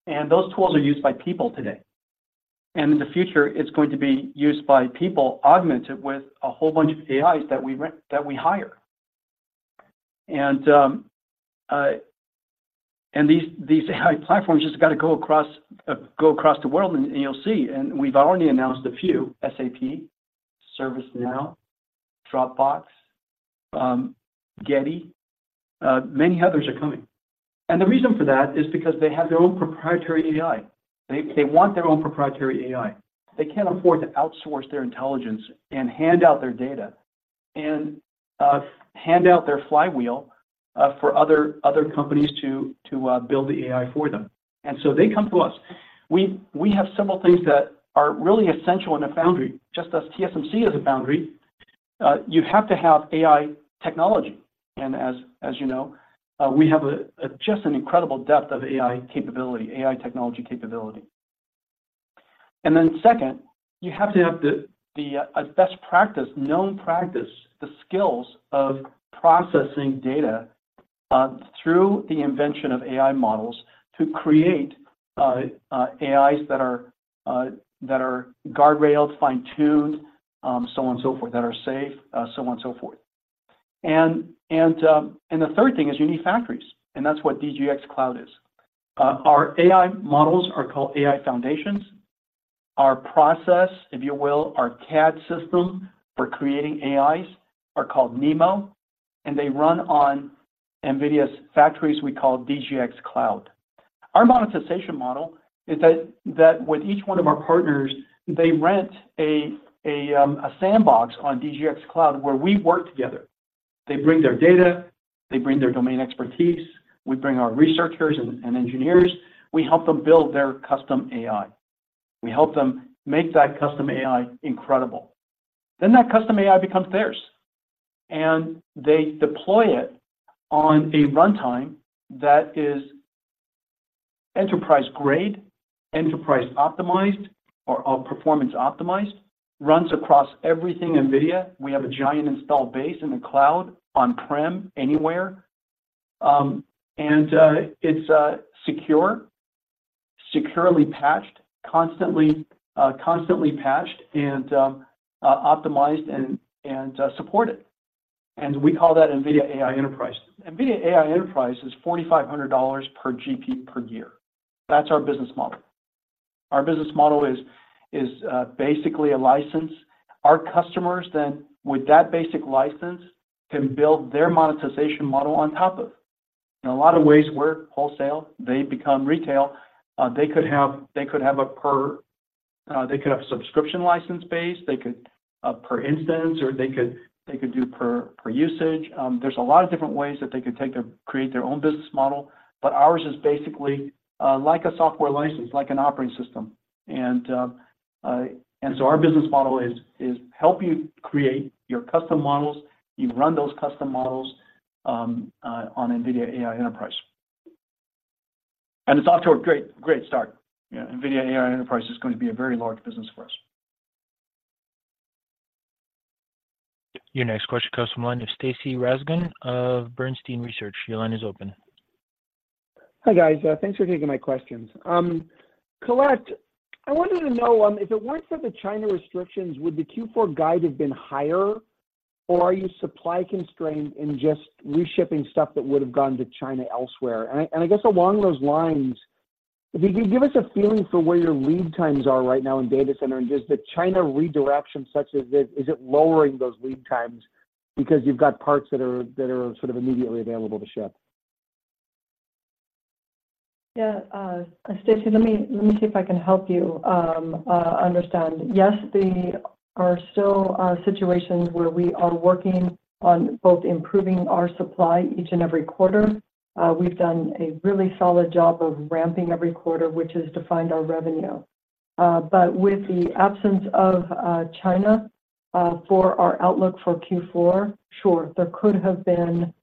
And those tools are used by people today. And in the future, it's going to be used by people augmented with a whole bunch of AIs that we hire. And these AI platforms just got to go across the world, and you'll see. And we've already announced a few, SAP, ServiceNow, Dropbox, Getty, many others are coming. And the reason for that is because they have their own proprietary AI. They, they want their own proprietary AI. They can't afford to outsource their intelligence and hand out their data and hand out their flywheel for other, other companies to, to build the AI for them. And so they come to us. We, we have several things that are really essential in a foundry, just as TSMC is a foundry. You have to have AI technology, and as, as you know, we have just an incredible depth of AI capability, AI technology capability. And then second, you have to have the, the a best practice, known practice, the skills of processing data through the invention of AI models to create AIs that are that are guardrailed, fine-tuned, so on and so forth, that are safe, so on and so forth. And the third thing is you need factories, and that's what DGX Cloud is. Our AI models are called AI Foundations. Our process, if you will, our CAD system for creating AIs are called NeMo, and they run on NVIDIA's factories we call DGX Cloud. Our monetization model is that with each one of our partners, they rent a sandbox on DGX Cloud, where we work together. They bring their data, they bring their domain expertise, we bring our researchers and engineers. We help them build their custom AI. We help them make that custom AI incredible. Then that custom AI becomes theirs, and they deploy it on a runtime that is enterprise-grade, enterprise-optimized, or performance-optimized, runs across everything NVIDIA. We have a giant installed base in the cloud, on-prem, anywhere. And it's securely patched constantly, constantly patched and optimized and supported. And we call that NVIDIA AI Enterprise. NVIDIA AI Enterprise is $4,500 per GPU per year. That's our business model. Our business model is basically a license. Our customers then, with that basic license, can build their monetization model on top of. In a lot of ways, we're wholesale, they become retail. They could have, they could have a per, they could have a subscription license base, they could per instance, or they could, they could do per, per usage. There's a lot of different ways that they could take to create their own business model, but ours is basically like a software license, like an operating system. Our business model is help you create your custom models. You run those custom models on NVIDIA AI Enterprise. And it's off to a great, great start. Yeah, NVIDIA AI Enterprise is going to be a very large business for us. Your next question comes from the line of Stacy Rasgon of Bernstein Research. Your line is open. Hi, guys. Thanks for taking my questions. Colette, I wanted to know, if it weren't for the China restrictions, would the Q4 guide have been higher, or are you supply constrained in just reshipping stuff that would have gone to China elsewhere? And I guess along those lines, if you could give us a feeling for where your lead times are right now in Data Center, and does the China redirection such as this, is it lowering those lead times because you've got parts that are sort of immediately available to ship? Yeah, Stacy, let me see if I can help you understand. Yes, there are still situations where we are working on both improving our supply each and every quarter. We've done a really solid job of ramping every quarter, which has defined our revenue. But with the absence of China for our outlook for Q4, sure, there could have been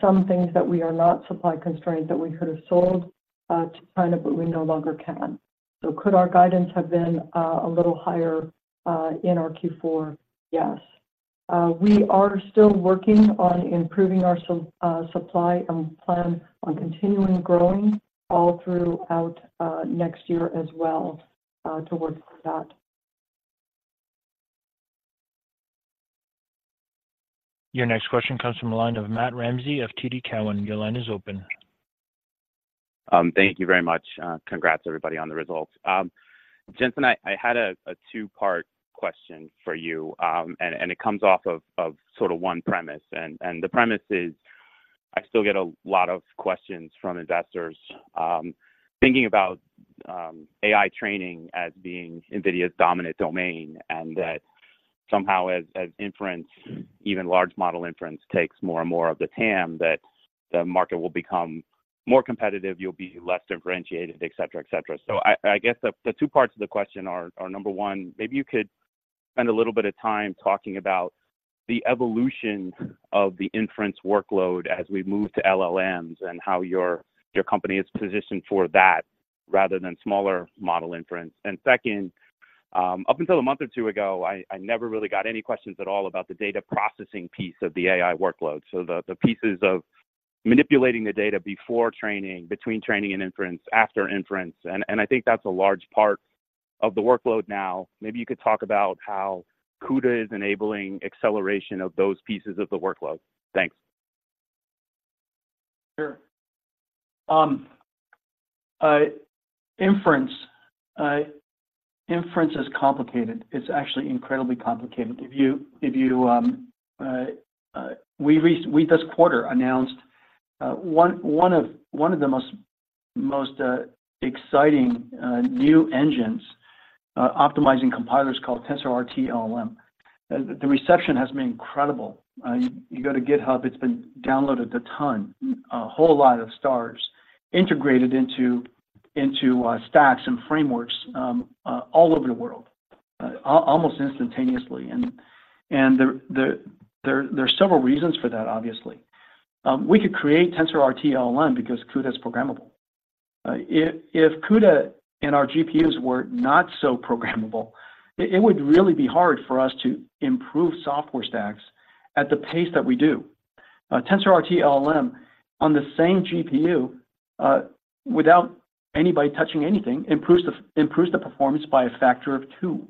some things that we are not supply constrained, that we could have sold to China, but we no longer can. So could our guidance have been a little higher in our Q4? Yes. We are still working on improving our supply and plan on continuing growing all throughout next year as well, towards that. Your next question comes from the line of Matt Ramsay of TD Cowen. Your line is open. Thank you very much. Congrats, everybody, on the results. Jensen, I had a two-part question for you, and it comes off of sort of one premise. And the premise is, I still get a lot of questions from investors, thinking about AI training as being NVIDIA's dominant domain, and that somehow as inference, even large model inference takes more and more of the TAM, that the market will become more competitive, you'll be less differentiated, et cetera, et cetera. So I guess the two parts of the question are, number one, maybe you could spend a little bit of time talking about the evolution of the inference workload as we move to LLMs, and how your company is positioned for that rather than smaller model inference. And second, up until a month or two ago, I never really got any questions at all about the data processing piece of the AI workload. So the pieces of manipulating the data before training, between training and inference, after inference, and I think that's a large part of the workload now. Maybe you could talk about how CUDA is enabling acceleration of those pieces of the workload. Thanks. Sure. Inference is complicated. It's actually incredibly complicated. We, this quarter, announced one of the most exciting new engines, optimizing compilers called TensorRT-LLM. The reception has been incredible. You go to GitHub, it's been downloaded a ton, a whole lot of stars integrated into stacks and frameworks all over the world, almost instantaneously. And there are several reasons for that, obviously. We could create TensorRT-LLM because CUDA is programmable. If CUDA and our GPUs were not so programmable, it would really be hard for us to improve software stacks at the pace that we do. TensorRT-LLM, on the same GPU, without anybody touching anything, improves the performance by a factor of two.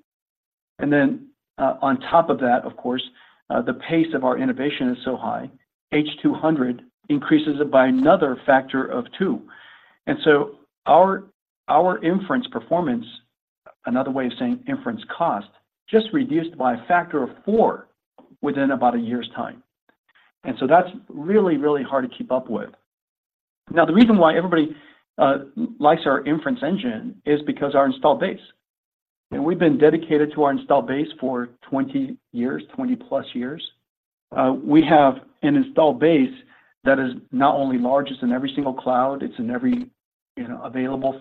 And then, on top of that, of course, the pace of our innovation is so high, H200 increases it by another factor of two. And so our inference performance, another way of saying inference cost, just reduced by a factor of four within about a year's time. And so that's really, really hard to keep up with. Now, the reason why everybody likes our inference engine is because our installed base, and we've been dedicated to our installed base for 20 years, 20-plus years. We have an installed base that is not only largest in every single cloud, it's in every, you know, available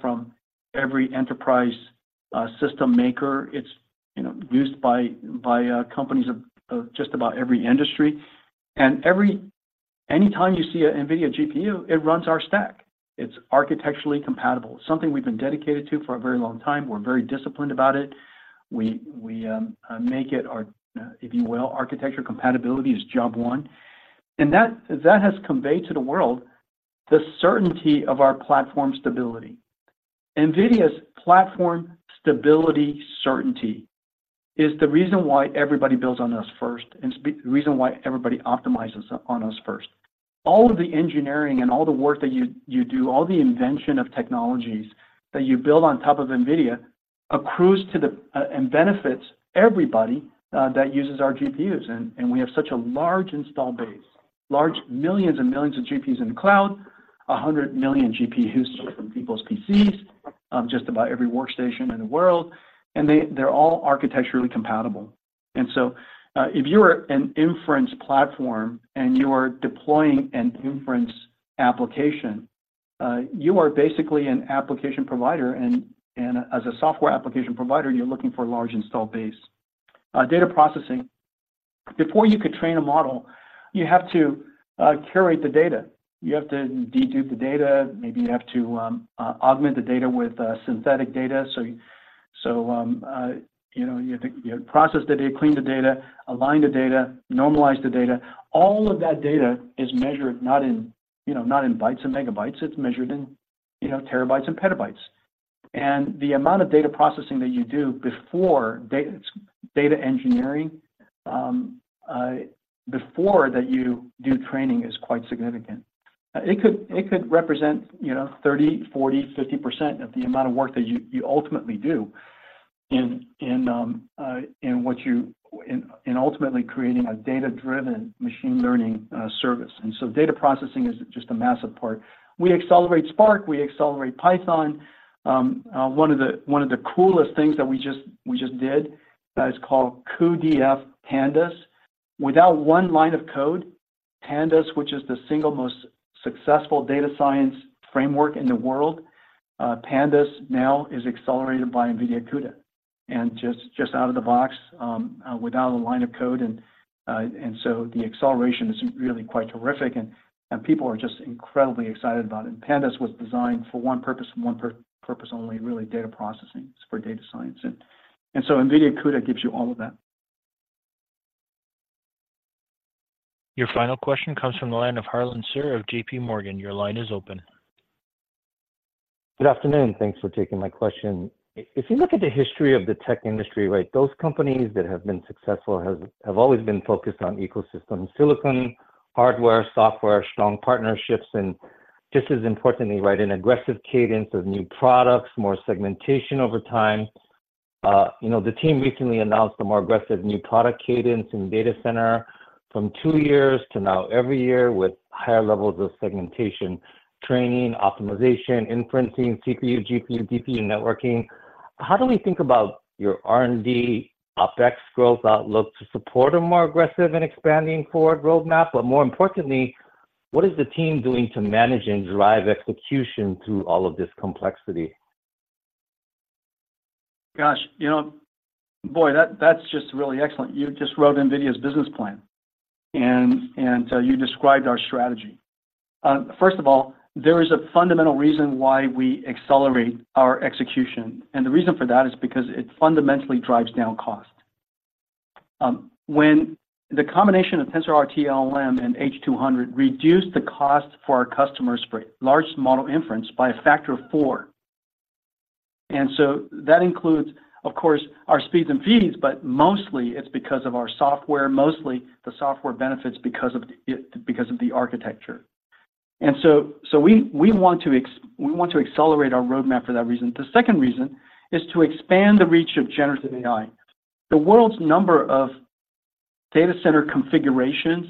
from every enterprise system maker. It's, you know, used by companies of just about every industry. Every time you see a NVIDIA GPU, it runs our stack. It's architecturally compatible, something we've been dedicated to for a very long time. We're very disciplined about it. We make it our, if you will, architecture compatibility is job one, and that has conveyed to the world the certainty of our platform stability. NVIDIA's platform stability certainty is the reason why everybody builds on us first, and it's the reason why everybody optimizes on us first. All of the engineering and all the work that you do, all the invention of technologies that you build on top of NVIDIA accrues to the, and benefits everybody that uses our GPUs. We have such a large installed base, large millions and millions of GPUs in the cloud, 100 million GPUs in people's PCs, just about every workstation in the world, and they're all architecturally compatible. So, if you are an inference platform and you are deploying an inference application, you are basically an application provider, and as a software application provider, you're looking for a large installed base. Data processing. Before you could train a model, you have to curate the data. You have to dedupe the data. Maybe you have to augment the data with synthetic data. So, you know, you have to process the data, clean the data, align the data, normalize the data. All of that data is measured not in, you know, not in bytes and megabytes, it's measured in, you know, terabytes and petabytes. And the amount of data processing that you do before data engineering, before that you do training is quite significant. It could represent, you know, 30%, 40%, 50% of the amount of work that you ultimately do in ultimately creating a data-driven machine learning service. And so data processing is just a massive part. We accelerate Spark, we accelerate Python. One of the coolest things that we just did is called cuDF Pandas. Without one line of code, Pandas, which is the single most successful data science framework in the world, Pandas now is accelerated by NVIDIA CUDA, and just out of the box, without a line of code. And so the acceleration is really quite terrific, and people are just incredibly excited about it. Pandas was designed for one purpose and one purpose only, really, data processing. It's for data science. And so NVIDIA CUDA gives you all of that. Your final question comes from the line of Harlan Sur of JPMorgan. Your line is open. Good afternoon. Thanks for taking my question. If you look at the history of the tech industry, right, those companies that have been successful have, have always been focused on ecosystem, silicon, hardware, software, strong partnerships, and just as importantly, right, an aggressive cadence of new products, more segmentation over time. You know, the team recently announced a more aggressive new product cadence in Data Center from two years to now every year, with higher levels of segmentation, training, optimization, inferencing, CPU, GPU, DPU, networking. How do we think about your R&D OpEx growth outlook to support a more aggressive and expanding forward roadmap? But more importantly, what is the team doing to manage and drive execution through all of this complexity? Gosh, you know, boy, that, that's just really excellent. You just wrote NVIDIA's business plan, and you described our strategy. First of all, there is a fundamental reason why we accelerate our execution, and the reason for that is because it fundamentally drives down cost. When the combination of TensorRT-LLM and H200 reduced the cost for our customers for large model inference by a factor of four. And so that includes, of course, our speeds and feeds, but mostly it's because of our software, mostly the software benefits because of the, because of the architecture. And so we want to accelerate our roadmap for that reason. The second reason is to expand the reach of generative AI. The world's number of Data Center configurations,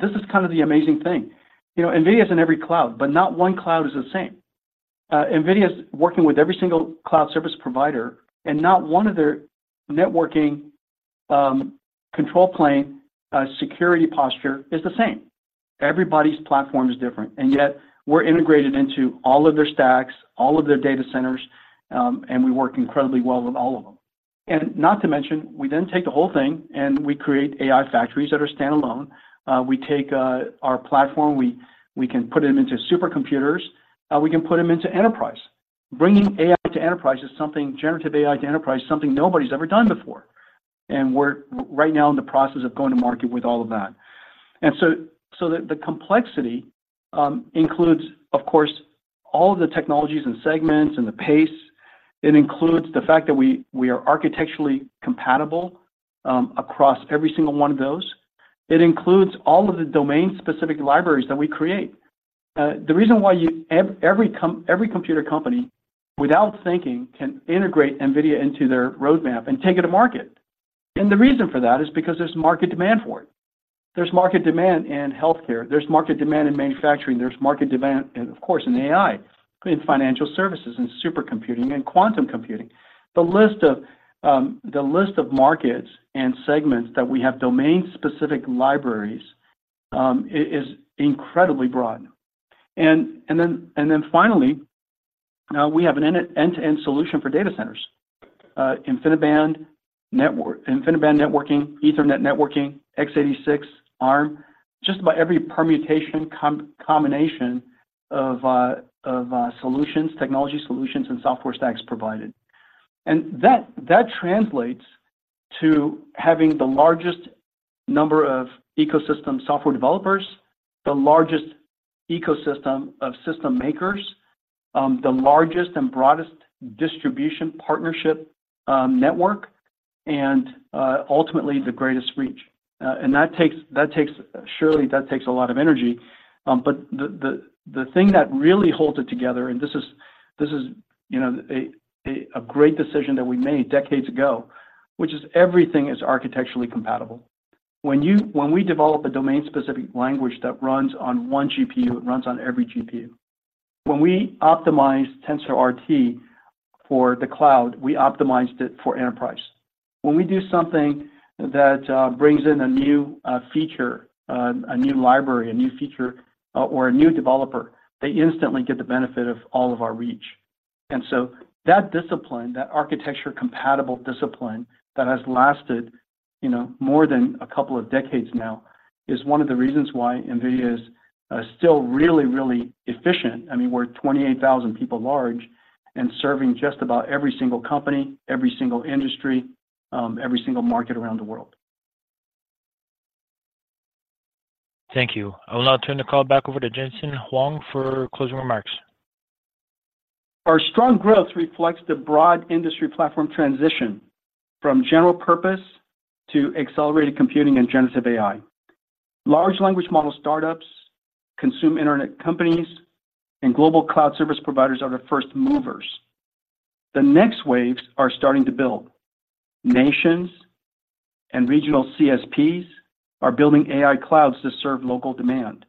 this is kind of the amazing thing. You know, NVIDIA is in every cloud, but not one cloud is the same. NVIDIA is working with every single cloud service provider, and not one of their networking, control plane, security posture is the same. Everybody's platform is different, and yet we're integrated into all of their stacks, all of their Data Centers, and we work incredibly well with all of them. And not to mention, we then take the whole thing and we create AI factories that are standalone. We take our platform, we can put them into supercomputers, we can put them into enterprise. Bringing AI to enterprise is something, generative AI to enterprise, is something nobody's ever done before, and we're right now in the process of going to market with all of that. The complexity includes, of course, all of the technologies and segments and the pace. It includes the fact that we are architecturally compatible across every single one of those. It includes all of the domain-specific libraries that we create. The reason why every computer company, without thinking, can integrate NVIDIA into their roadmap and take it to market. And the reason for that is because there's market demand for it. There's market demand in healthcare, there's market demand in manufacturing, there's market demand, and of course, in AI, in financial services, in supercomputing, and quantum computing. The list of markets and segments that we have domain-specific libraries is incredibly broad. And then finally, we have an end-to-end solution for Data Centers. InfiniBand network, InfiniBand networking, Ethernet networking, x86, ARM, just about every permutation, combination of solutions, technology solutions, and software stacks provided. And that translates to having the largest number of ecosystem software developers, the largest ecosystem of system makers, the largest and broadest distribution partnership network, and ultimately, the greatest reach. And that takes, surely, that takes a lot of energy. But the thing that really holds it together, and this is, you know, a great decision that we made decades ago, which is everything is architecturally compatible. When we develop a domain-specific language that runs on one GPU, it runs on every GPU. When we optimize TensorRT for the cloud, we optimized it for enterprise. When we do something that brings in a new feature, a new library, a new feature, or a new developer, they instantly get the benefit of all of our reach. And so that discipline, that architecture-compatible discipline that has lasted, you know, more than a couple of decades now, is one of the reasons why NVIDIA is still really, really efficient. I mean, we're 28,000 people large and serving just about every single company, every single industry, every single market around the world. Thank you. I will now turn the call back over to Jensen Huang for closing remarks. Our strong growth reflects the broad industry platform transition from general purpose to accelerated computing and generative AI. Large language model startups, consumer internet companies, and global cloud service providers are the first movers. The next waves are starting to build. Nations and regional CSPs are building AI clouds to serve local demand.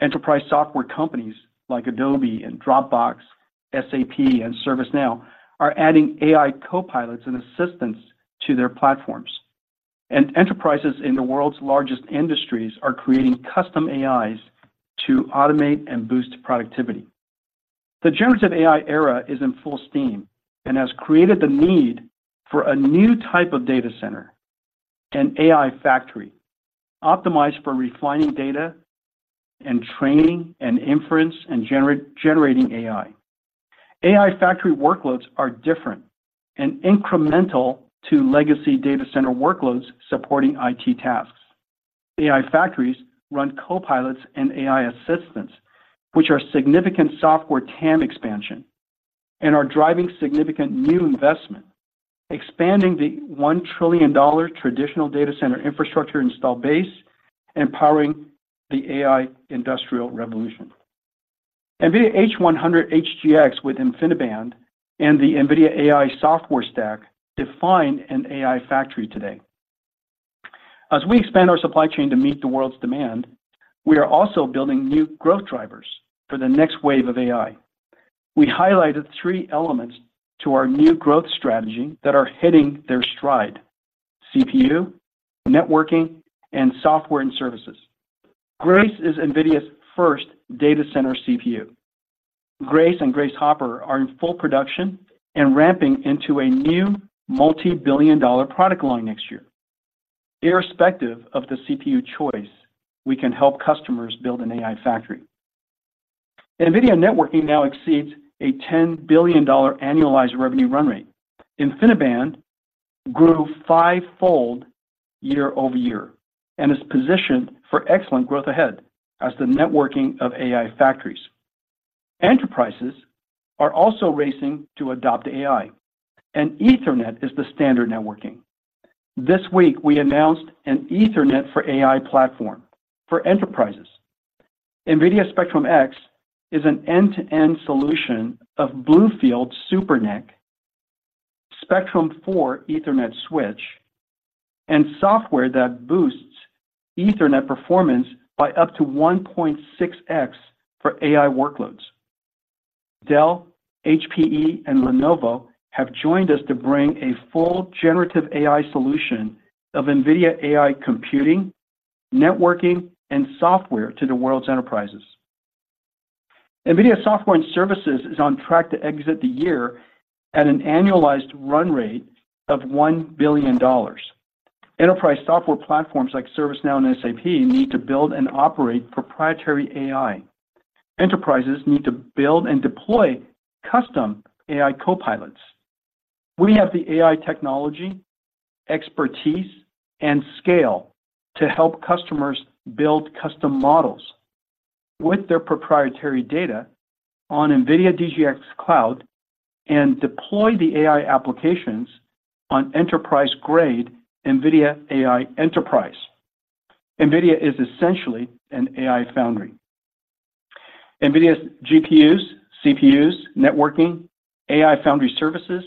Enterprise software companies like Adobe and Dropbox, SAP, and ServiceNow are adding AI copilots and assistants to their platforms. Enterprises in the world's largest industries are creating custom AIs to automate and boost productivity. The generative AI era is in full steam and has created the need for a new type of Data Center, an AI factory, optimized for refining data and training and inference, and generating AI. AI factory workloads are different and incremental to legacy Data Center workloads supporting IT tasks. AI factories run Copilots and AI assistants, which are significant software TAM expansion and are driving significant new investment, expanding the $1 trillion traditional Data Center infrastructure install base and powering the AI industrial revolution. NVIDIA H100 HGX with InfiniBand and the NVIDIA AI software stack define an AI factory today. As we expand our supply chain to meet the world's demand, we are also building new growth drivers for the next wave of AI. We highlighted three elements to our new growth strategy that are hitting their stride: CPU, networking, and software and services. Grace is NVIDIA's first Data Center CPU. Grace and Grace Hopper are in full production and ramping into a new multi-billion dollar product line next year. Irrespective of the CPU choice, we can help customers build an AI factory. NVIDIA networking now exceeds a $10 billion annualized revenue run rate. InfiniBand grew fivefold year-over-year and is positioned for excellent growth ahead as the networking of AI factories. Enterprises are also racing to adopt AI, and Ethernet is the standard networking. This week, we announced an Ethernet for AI platform for enterprises. NVIDIA Spectrum-X is an end-to-end solution of BlueField SuperNIC, Spectrum-4 Ethernet switch, and software that boosts Ethernet performance by up to 1.6x for AI workloads. Dell, HPE, and Lenovo have joined us to bring a full generative AI solution of NVIDIA AI computing, networking, and software to the world's enterprises. NVIDIA Software and Services is on track to exit the year at an annualized run rate of $1 billion. Enterprise software platforms like ServiceNow and SAP need to build and operate proprietary AI. Enterprises need to build and deploy custom AI copilots. We have the AI technology, expertise, and scale to help customers build custom models with their proprietary data on NVIDIA DGX Cloud and deploy the AI applications on enterprise-grade NVIDIA AI Enterprise. NVIDIA is essentially an AI foundry. NVIDIA's GPUs, CPUs, networking, AI foundry services,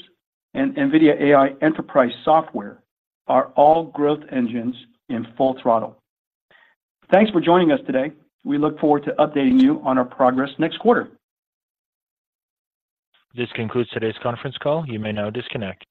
and NVIDIA AI Enterprise software are all growth engines in full throttle. Thanks for joining us today. We look forward to updating you on our progress next quarter. This concludes today's conference call. You may now disconnect.